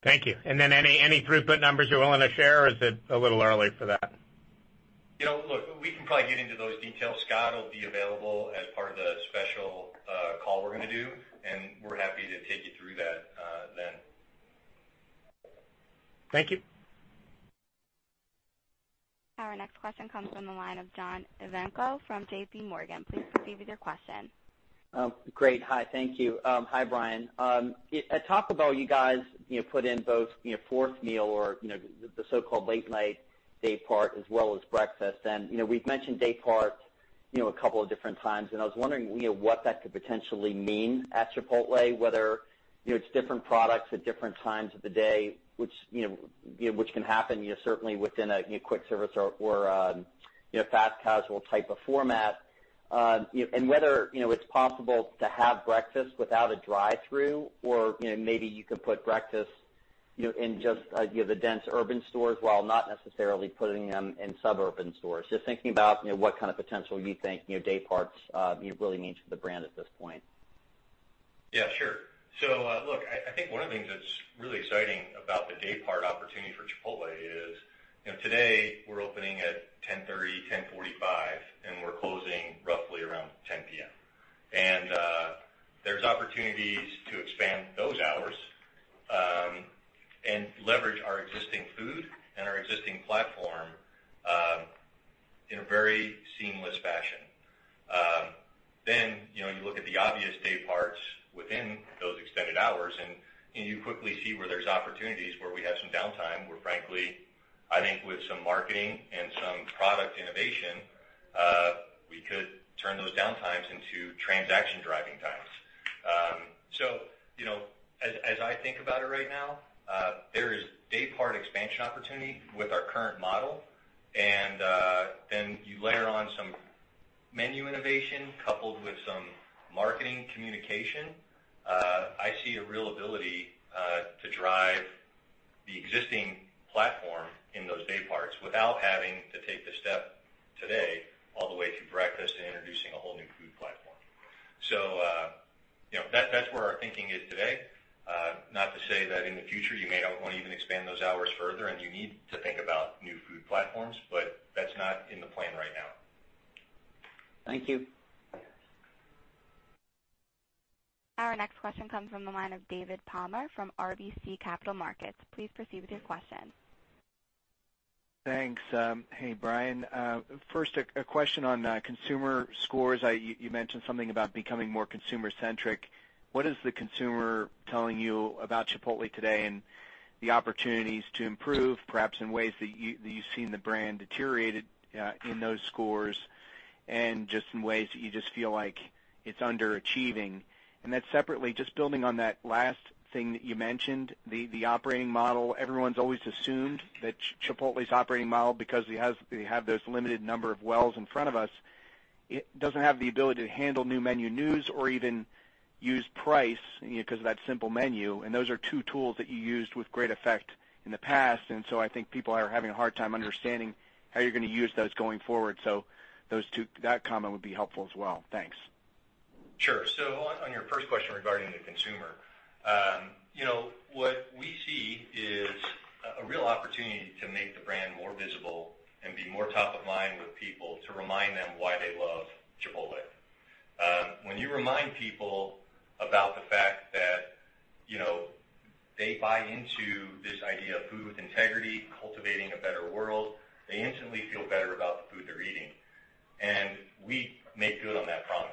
S14: Thank you. Any throughput numbers you're willing to share, or is it a little early for that?
S3: Look, we can probably get into those details. Scott will be available as part of the special call we're going to do, and we're happy to take you through that then.
S14: Thank you.
S1: Our next question comes from the line of John Ivankoe from JPMorgan. Please proceed with your question.
S15: Great. Hi, thank you. Hi, Brian. At Taco Bell, you guys put in both fourth meal or the so-called late night day part, as well as breakfast. We've mentioned day part a couple of different times, and I was wondering what that could potentially mean at Chipotle, whether it's different products at different times of the day, which can happen certainly within a quick service or a fast casual type of format. Whether it's possible to have breakfast without a drive-through or maybe you could put breakfast in just the dense urban stores while not necessarily putting them in suburban stores. Just thinking about what kind of potential you think day parts really mean to the brand at this point.
S3: Yeah, sure. I think one of the things that's really exciting about the daypart opportunity for Chipotle is today we're opening at 10:30, 10:45, and we're closing roughly around 10:00 P.M. There's opportunities to expand those hours and leverage our existing food and our existing platform in a very seamless fashion. You look at the obvious dayparts within those extended hours, and you quickly see where there's opportunities, where we have some downtime, where frankly, I think with some marketing and some product innovation, we could turn those downtimes into transaction driving times. As I think about it right now, there is daypart expansion opportunity with our current model, and then you layer on some menu innovation coupled with some marketing communication. I see a real ability to drive the existing platform in those dayparts without having to take the step today all the way to breakfast and introducing a whole new food platform. That's where our thinking is today. Not to say that in the future, you may not want to even expand those hours further and you need to think about new food platforms, but that's not in the plan right now.
S15: Thank you.
S1: Our next question comes from the line of David Palmer from RBC Capital Markets. Please proceed with your question.
S16: Thanks. Hey, Brian. First, a question on consumer scores. You mentioned something about becoming more consumer-centric. What is the consumer telling you about Chipotle today, and the opportunities to improve, perhaps in ways that you've seen the brand deteriorated in those scores and just in ways that you just feel like it's underachieving? Separately, just building on that last thing that you mentioned, the operating model. Everyone's always assumed that Chipotle's operating model, because we have those limited number of wells in front of us, it doesn't have the ability to handle new menu news or even use price because of that simple menu. Those are two tools that you used with great effect in the past, I think people are having a hard time understanding how you're going to use those going forward. That comment would be helpful as well. Thanks.
S3: Sure. On your first question regarding the consumer. What we see is a real opportunity to make the brand more visible and be more top of mind with people to remind them why they love Chipotle. When you remind people about the fact that they buy into this idea of food integrity, cultivating a better world, they instantly feel better about the food they're eating. We make good on that promise.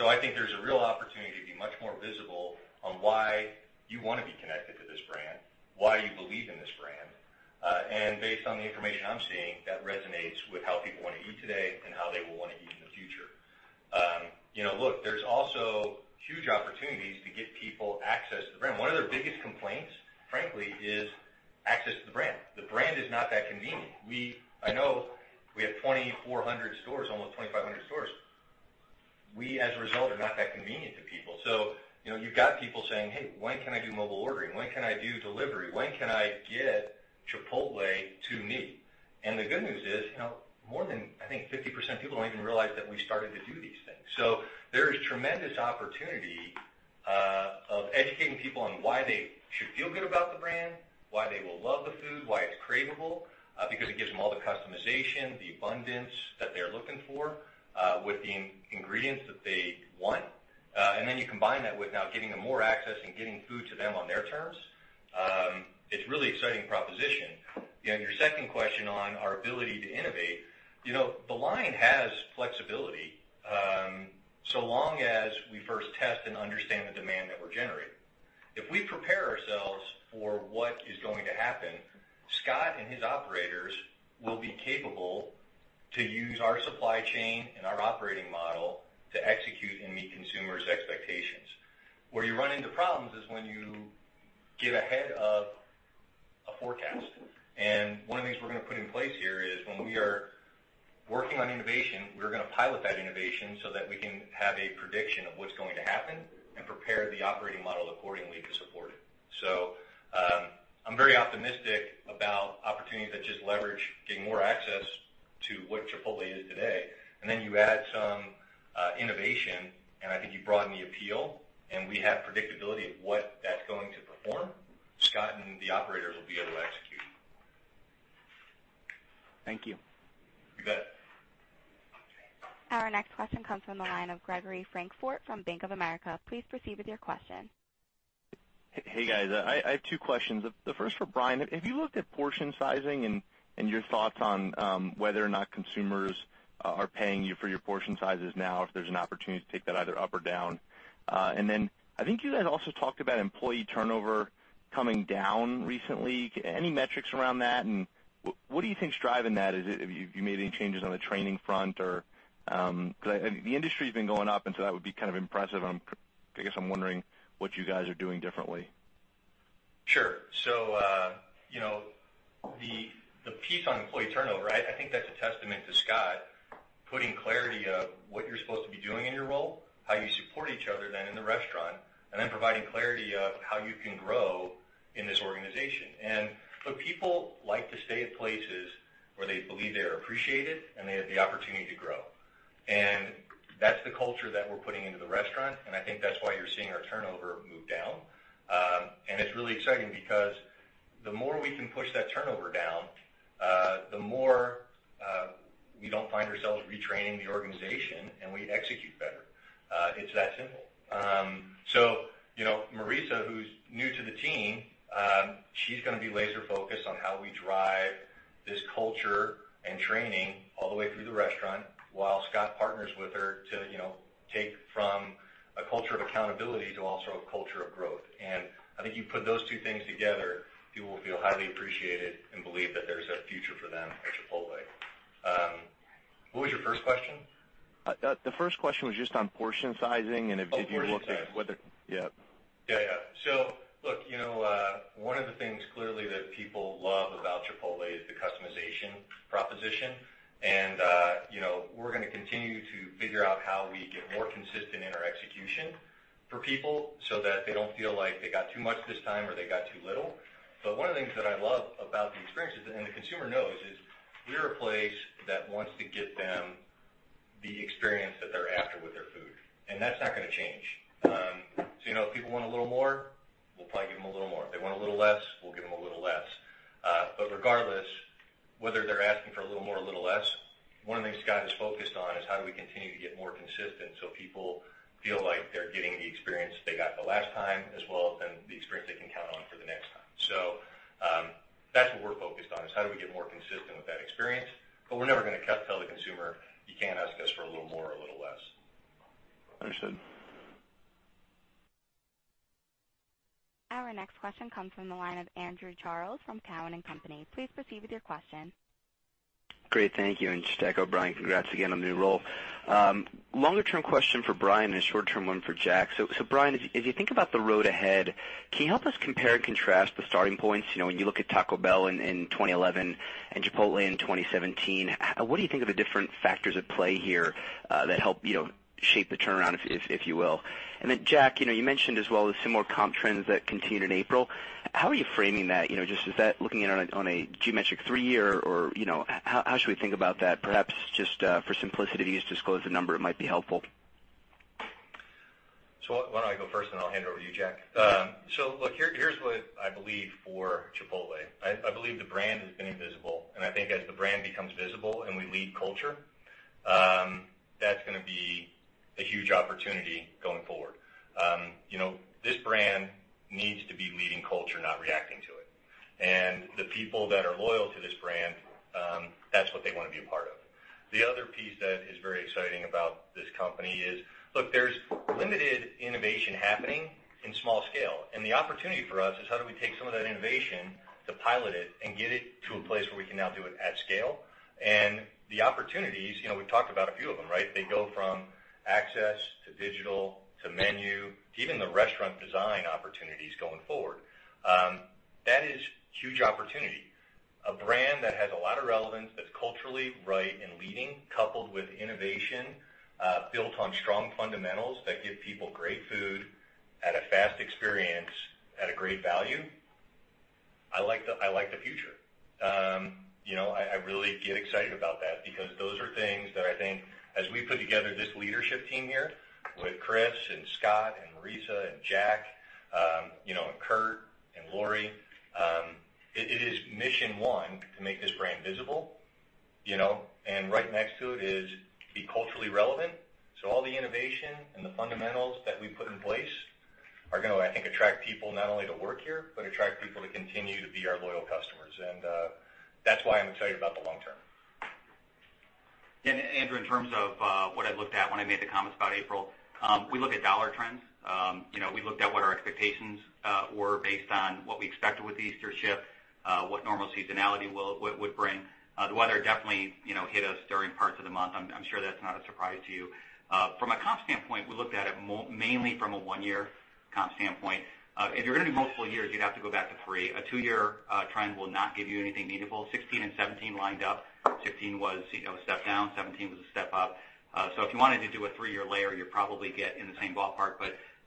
S3: I think there's a real opportunity to be much more visible on why you want to be connected to this brand, why you believe in this brand. Based on the information I'm seeing, that resonates with how people want to eat today and how they will want to eat in the future. Look, there's also huge opportunities to get people access to the brand. One of their biggest complaints, frankly, is access to the brand. The brand is not that convenient. I know we have 2,400 stores, almost 2,500 stores. We, as a result, are not that convenient to people. You've got people saying, "Hey, when can I do mobile ordering? When can I do delivery? When can I get Chipotle to me?" The good news is, more than, I think, 50% of people don't even realize that we started to do these things. There is tremendous opportunity of educating people on why they should feel good about the brand, why they will love the food, why it's craveable, because it gives them all the customization, the abundance that they're looking for, with the ingredients that they want. You combine that with now getting them more access and getting food to them on their terms. It's really exciting proposition. Your second question on our ability to innovate. The line has flexibility, so long as we first test and understand the demand that we're generating. If we prepare ourselves for what is going to happen, Scott and his operators will be capable to use our supply chain and our operating model to execute and meet consumers' expectations. Where you run into problems is when you get ahead of a forecast. One of the things we're going to put in place here is when we are working on innovation, we're going to pilot that innovation so that we can have a prediction of what's going to happen and prepare the operating model accordingly to support it. I'm very optimistic about opportunities that just leverage getting more access to what Chipotle is today, and then you add some innovation, and I think you broaden the appeal, and we have predictability of what that's going to perform. Scott and the operators will be able to execute.
S16: Thank you.
S3: You bet.
S1: Our next question comes from the line of Gregory Francfort from Bank of America. Please proceed with your question.
S17: Hey, guys. I have two questions, the first for Brian. Have you looked at portion sizing and your thoughts on whether or not consumers are paying you for your portion sizes now, if there's an opportunity to take that either up or down? I think you guys also talked about employee turnover coming down recently. Any metrics around that, and what do you think is driving that? Have you made any changes on the training front or Because the industry's been going up, and so that would be kind of impressive, and I guess I'm wondering what you guys are doing differently.
S3: Sure. The piece on employee turnover, I think that's a testament to Scott putting clarity of what you're supposed to be doing in your role, how you support each other then in the restaurant, and then providing clarity of how you can grow in this organization. People like to stay at places where they believe they are appreciated and they have the opportunity to grow. That's the culture that we're putting into the restaurant, and I think that's why you're seeing our turnover move down. It's really exciting because The more we can push that turnover down, the more we don't find ourselves retraining the organization, and we execute better. It's that simple. Marissa, who's new to the team, she's going to be laser focused on how we drive this culture and training all the way through the restaurant while Scott partners with her to take from a culture of accountability to also a culture of growth. I think you put those two things together, people will feel highly appreciated and believe that there's a future for them at Chipotle. What was your first question?
S17: The first question was just on portion sizing, and if you looked at whether.
S3: Oh, portion size.
S17: Yeah.
S3: Yeah. Look, one of the things clearly that people love about Chipotle is the customization proposition. We're going to continue to figure out how we get more consistent in our execution for people so that they don't feel like they got too much this time, or they got too little. One of the things that I love about the experience is, and the consumer knows is, we're a place that wants to give them the experience that they're after with their food, and that's not going to change. If people want a little more, we'll probably give them a little more. If they want a little less, we'll give them a little less. Regardless, whether they're asking for a little more or a little less, one of the things Scott is focused on is how do we continue to get more consistent so people feel like they're getting the experience they got the last time, as well as then the experience they can count on for the next time. That's what we're focused on, is how do we get more consistent with that experience. We're never going to tell the consumer, "You can't ask us for a little more or a little less.
S17: Understood.
S1: Our next question comes from the line of Andrew Charles from Cowen and Company. Please proceed with your question.
S18: Great. Thank you. Just to echo Brian, congrats again on the new role. Longer term question for Brian, and a short-term one for Jack. Brian, as you think about the road ahead, can you help us compare and contrast the starting points? When you look at Taco Bell in 2011 and Chipotle in 2017, what do you think are the different factors at play here that help shape the turnaround, if you will? Jack, you mentioned as well the similar comp trends that continued in April. How are you framing that? Is that looking in on a geometric three-year, or how should we think about that? Perhaps just for simplicity's, just quote us a number, it might be helpful.
S3: Why don't I go first, then I'll hand it over to you, Jack. Look, here's what I believe for Chipotle. I believe the brand has been invisible, I think as the brand becomes visible and we lead culture, that's going to be a huge opportunity going forward. This brand needs to be leading culture, not reacting to it. The people that are loyal to this brand, that's what they want to be a part of. The other piece that is very exciting about this company is, look, there's limited innovation happening in small scale. The opportunity for us is how do we take some of that innovation to pilot it and get it to a place where we can now do it at scale. The opportunities, we've talked about a few of them. They go from access to digital to menu, even the restaurant design opportunities going forward. That is huge opportunity. A brand that has a lot of relevance, that's culturally right and leading, coupled with innovation, built on strong fundamentals that give people great food at a fast experience at a great value. I like the future. I really get excited about that because those are things that I think as we put together this leadership team here with Chris and Scott and Marissa and Jack, and Curt and Laurie, it is mission one to make this brand visible, and right next to it is be culturally relevant. All the innovation and the fundamentals that we put in place are going to, I think, attract people not only to work here but attract people to continue to be our loyal customers. That's why I'm excited about the long term.
S4: Andrew, in terms of what I looked at when I made the comments about April, we look at dollar trends. We looked at what our expectations were based on what we expected with the Easter shift, what normal seasonality would bring. The weather definitely hit us during parts of the month. I'm sure that's not a surprise to you. From a comp standpoint, we looked at it mainly from a one-year comp standpoint. If you're going to do multiple years, you'd have to go back to three. A two-year trend will not give you anything meaningful. 2016 and 2017 lined up, 2015 was a step down, 2017 was a step up. If you wanted to do a three-year layer, you'd probably get in the same ballpark,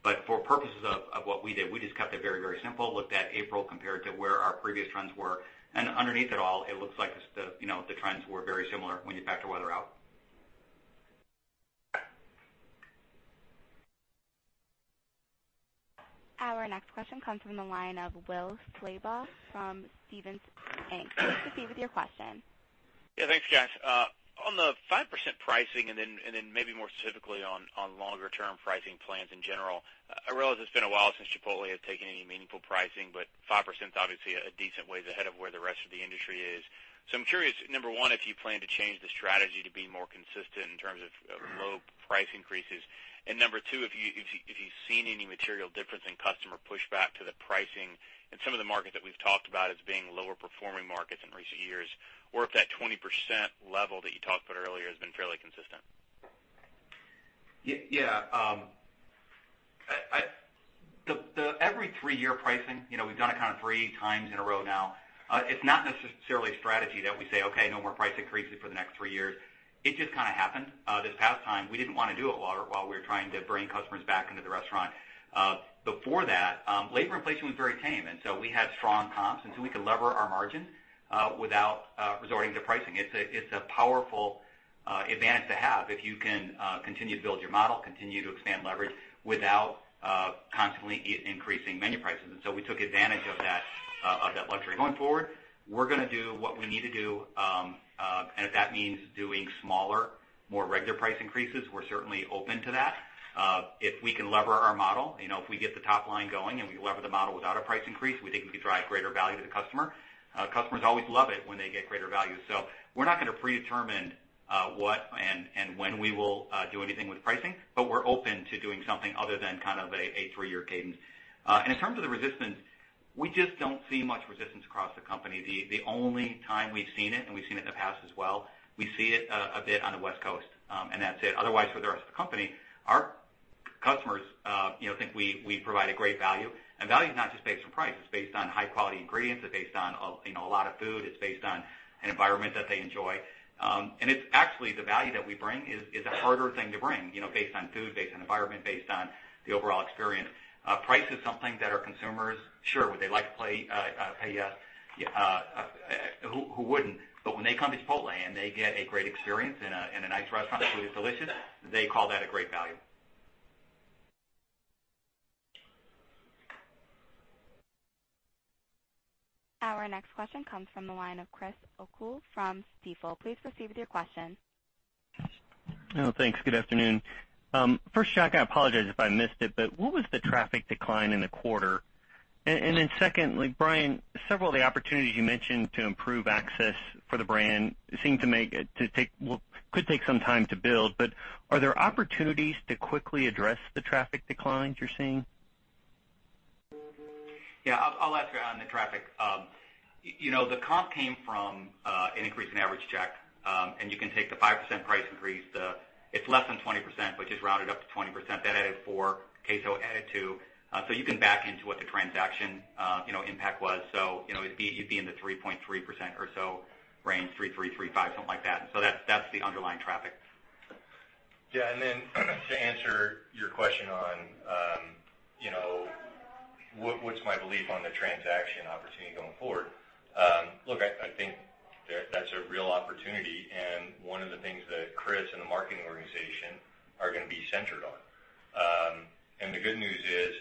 S4: but for purposes of what we did, we just kept it very simple. Looked at April compared to where our previous trends were. Underneath it all, it looks like the trends were very similar when you factor weather out.
S1: Our next question comes from the line of Will Slabaugh from Stephens Inc. Please proceed with your question.
S19: Yeah, thanks, guys. On the 5% pricing and then maybe more specifically on longer-term pricing plans in general, I realize it's been a while since Chipotle has taken any meaningful pricing. 5% is obviously a decent ways ahead of where the rest of the industry is. I'm curious, number one, if you plan to change the strategy to be more consistent in terms of low price increases. Number two, if you've seen any material difference in customer pushback to the pricing in some of the markets that we've talked about as being lower performing markets in recent years, or if that 20% level that you talked about earlier has been fairly consistent.
S4: Yeah. Every three-year pricing, we've done it kind of three times in a row now. It's not necessarily a strategy that we say, "Okay, no more price increases for the next three years." It just kind of happened. This past time, we didn't want to do it while we were trying to bring customers back into the restaurant. Before that, labor inflation was very tame, we had strong comps, we could lever our margin, without resorting to pricing. It's a powerful advantage to have if you can continue to build your model, continue to expand leverage without constantly increasing menu prices. We took advantage of that luxury. Going forward, we're going to do what we need to do, and if that means doing smaller, more regular price increases, we're certainly open to that. If we can lever our model, if we get the top line going and we lever the model without a price increase, we think we can drive greater value to the customer. Customers always love it when they get greater value. We're not going to predetermine what and when we will do anything with pricing, but we're open to doing something other than a three-year cadence. In terms of the resistance, we just don't see much resistance across the company. The only time we've seen it, and we've seen it in the past as well, we see it a bit on the West Coast, and that's it. Otherwise, for the rest of the company, our customers think we provide a great value. Value's not just based on price, it's based on high-quality ingredients, it's based on a lot of food, it's based on an environment that they enjoy. It's actually the value that we bring is a harder thing to bring, based on food, based on environment, based on the overall experience. Price is something that our consumers, sure, would they like to pay? Who wouldn't? When they come to Chipotle and they get a great experience in a nice restaurant that's really delicious, they call that a great value.
S1: Our next question comes from the line of Chris O'Cull from Stifel. Please proceed with your question.
S20: Thanks. Good afternoon. First, Jack, I apologize if I missed it, but what was the traffic decline in the quarter? Secondly, Brian, several of the opportunities you mentioned to improve access for the brand could take some time to build, but are there opportunities to quickly address the traffic declines you're seeing?
S4: Yeah, I'll answer on the traffic. The comp came from an increase in average check. You can take the 5% price increase, it's less than 20%, but just round it up to 20%, that added 4%, queso added two. You can back into what the transaction impact was. You'd be in the 3.3% or so range, 3.3%, 3.5%, something like that. That's the underlying traffic.
S3: Yeah. To answer your question on what's my belief on the transaction opportunity going forward. Look, I think that's a real opportunity, and one of the things that Chris and the marketing organization are going to be centered on. The good news is,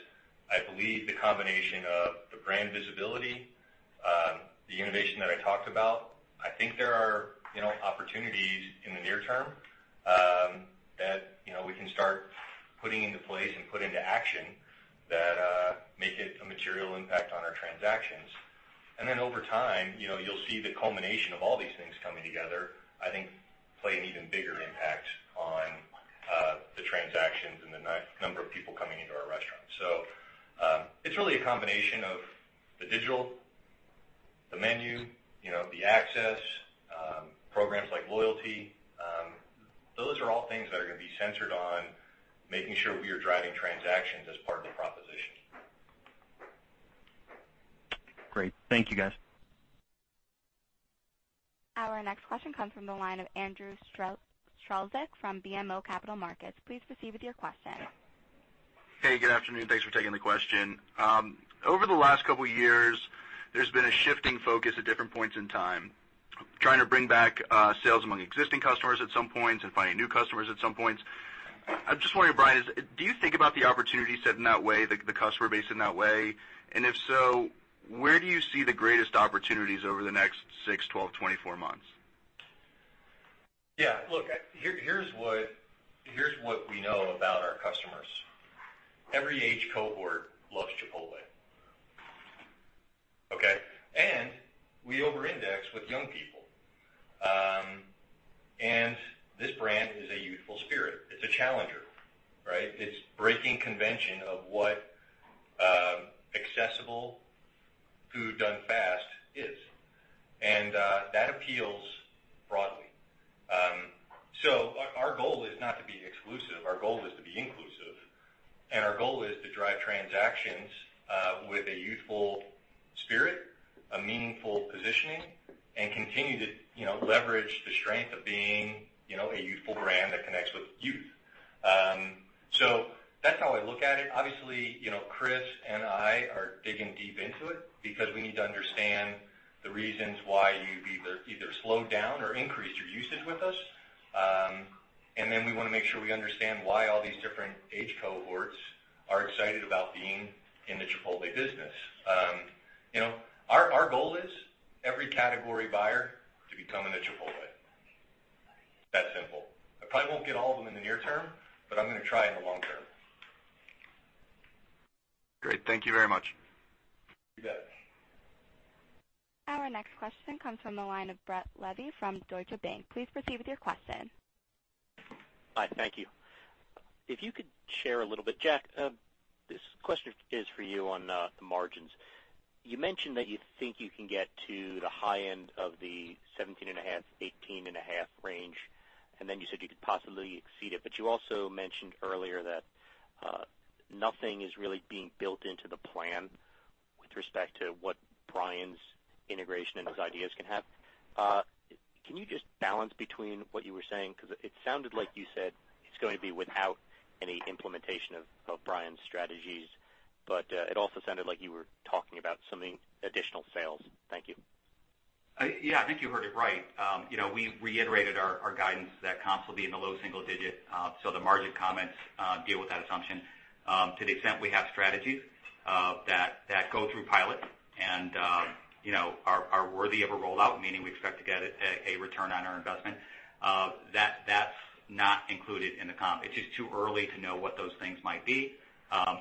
S3: I believe the combination of the brand visibility, the innovation that I talked about, I think there are opportunities in the near term that we can start putting into place and put into action that make it a material impact on our transactions. Over time, you'll see the culmination of all these things coming together, I think play an even bigger impact on the transactions and the number of people coming into our restaurants. It's really a combination of the digital, the menu, the access, programs like loyalty. Those are all things that are going to be centered on making sure we are driving transactions as part of the proposition.
S20: Great. Thank you guys.
S1: Our next question comes from the line of Andrew Strelzik from BMO Capital Markets. Please proceed with your question.
S21: Hey, good afternoon. Thanks for taking the question. Over the last couple of years, there's been a shifting focus at different points in time, trying to bring back sales among existing customers at some points and finding new customers at some points. I'm just wondering, Brian, do you think about the opportunity set in that way, the customer base in that way? If so, where do you see the greatest opportunities over the next 6, 12, 24 months?
S3: Yeah, look, here's what we know about our customers. Every age cohort loves Chipotle. Okay? We over-index with young people. This brand is a youthful spirit. It's a challenger. Right? It's breaking convention of what accessible food done fast is. That appeals broadly. Our goal is not to be exclusive. Our goal is to be inclusive, and our goal is to drive transactions with a youthful spirit, a meaningful positioning, and continue to leverage the strength of being a youthful brand that connects with youth. That's how I look at it. Obviously, Chris and I are digging deep into it because we need to understand the reasons why you've either slowed down or increased your usage with us. Then we want to make sure we understand why all these different age cohorts are excited about being in the Chipotle business. Our goal is every category buyer to become a Chipotle. It's that simple. I probably won't get all of them in the near term, but I'm going to try in the long term.
S21: Great. Thank you very much.
S3: You bet.
S1: Our next question comes from the line of Brett Levy from Deutsche Bank. Please proceed with your question.
S22: Hi. Thank you. If you could share a little bit, Jack, this question is for you on the margins. You mentioned that you think you can get to the high end of the 17-and-a-half, 18-and-a-half range, and then you said you could possibly exceed it. You also mentioned earlier that nothing is really being built into the plan with respect to what Brian's integration and his ideas can have. Can you just balance between what you were saying? It sounded like you said it's going to be without any implementation of Brian's strategies, but it also sounded like you were talking about something additional sales. Thank you.
S4: Yeah. I think you heard it right. We reiterated our guidance that comps will be in the low single digit, the margin comments deal with that assumption. To the extent we have strategies that go through pilot and are worthy of a rollout, meaning we expect to get a return on our investment, that's not included in the comp. It's just too early to know what those things might be,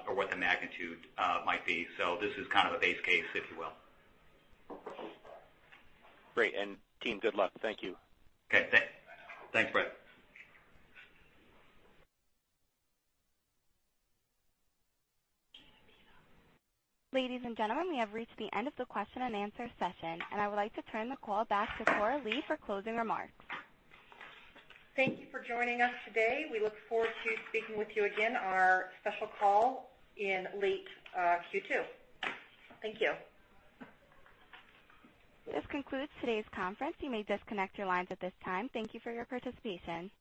S4: or what the magnitude might be. This is kind of a base case, if you will.
S22: Great. Team, good luck. Thank you.
S4: Okay. Thanks, Brett.
S1: Ladies and gentlemen, we have reached the end of the question and answer session, I would like to turn the call back to Coralie Witter for closing remarks.
S2: Thank you for joining us today. We look forward to speaking with you again on our special call in late Q2. Thank you.
S1: This concludes today's conference. You may disconnect your lines at this time. Thank you for your participation.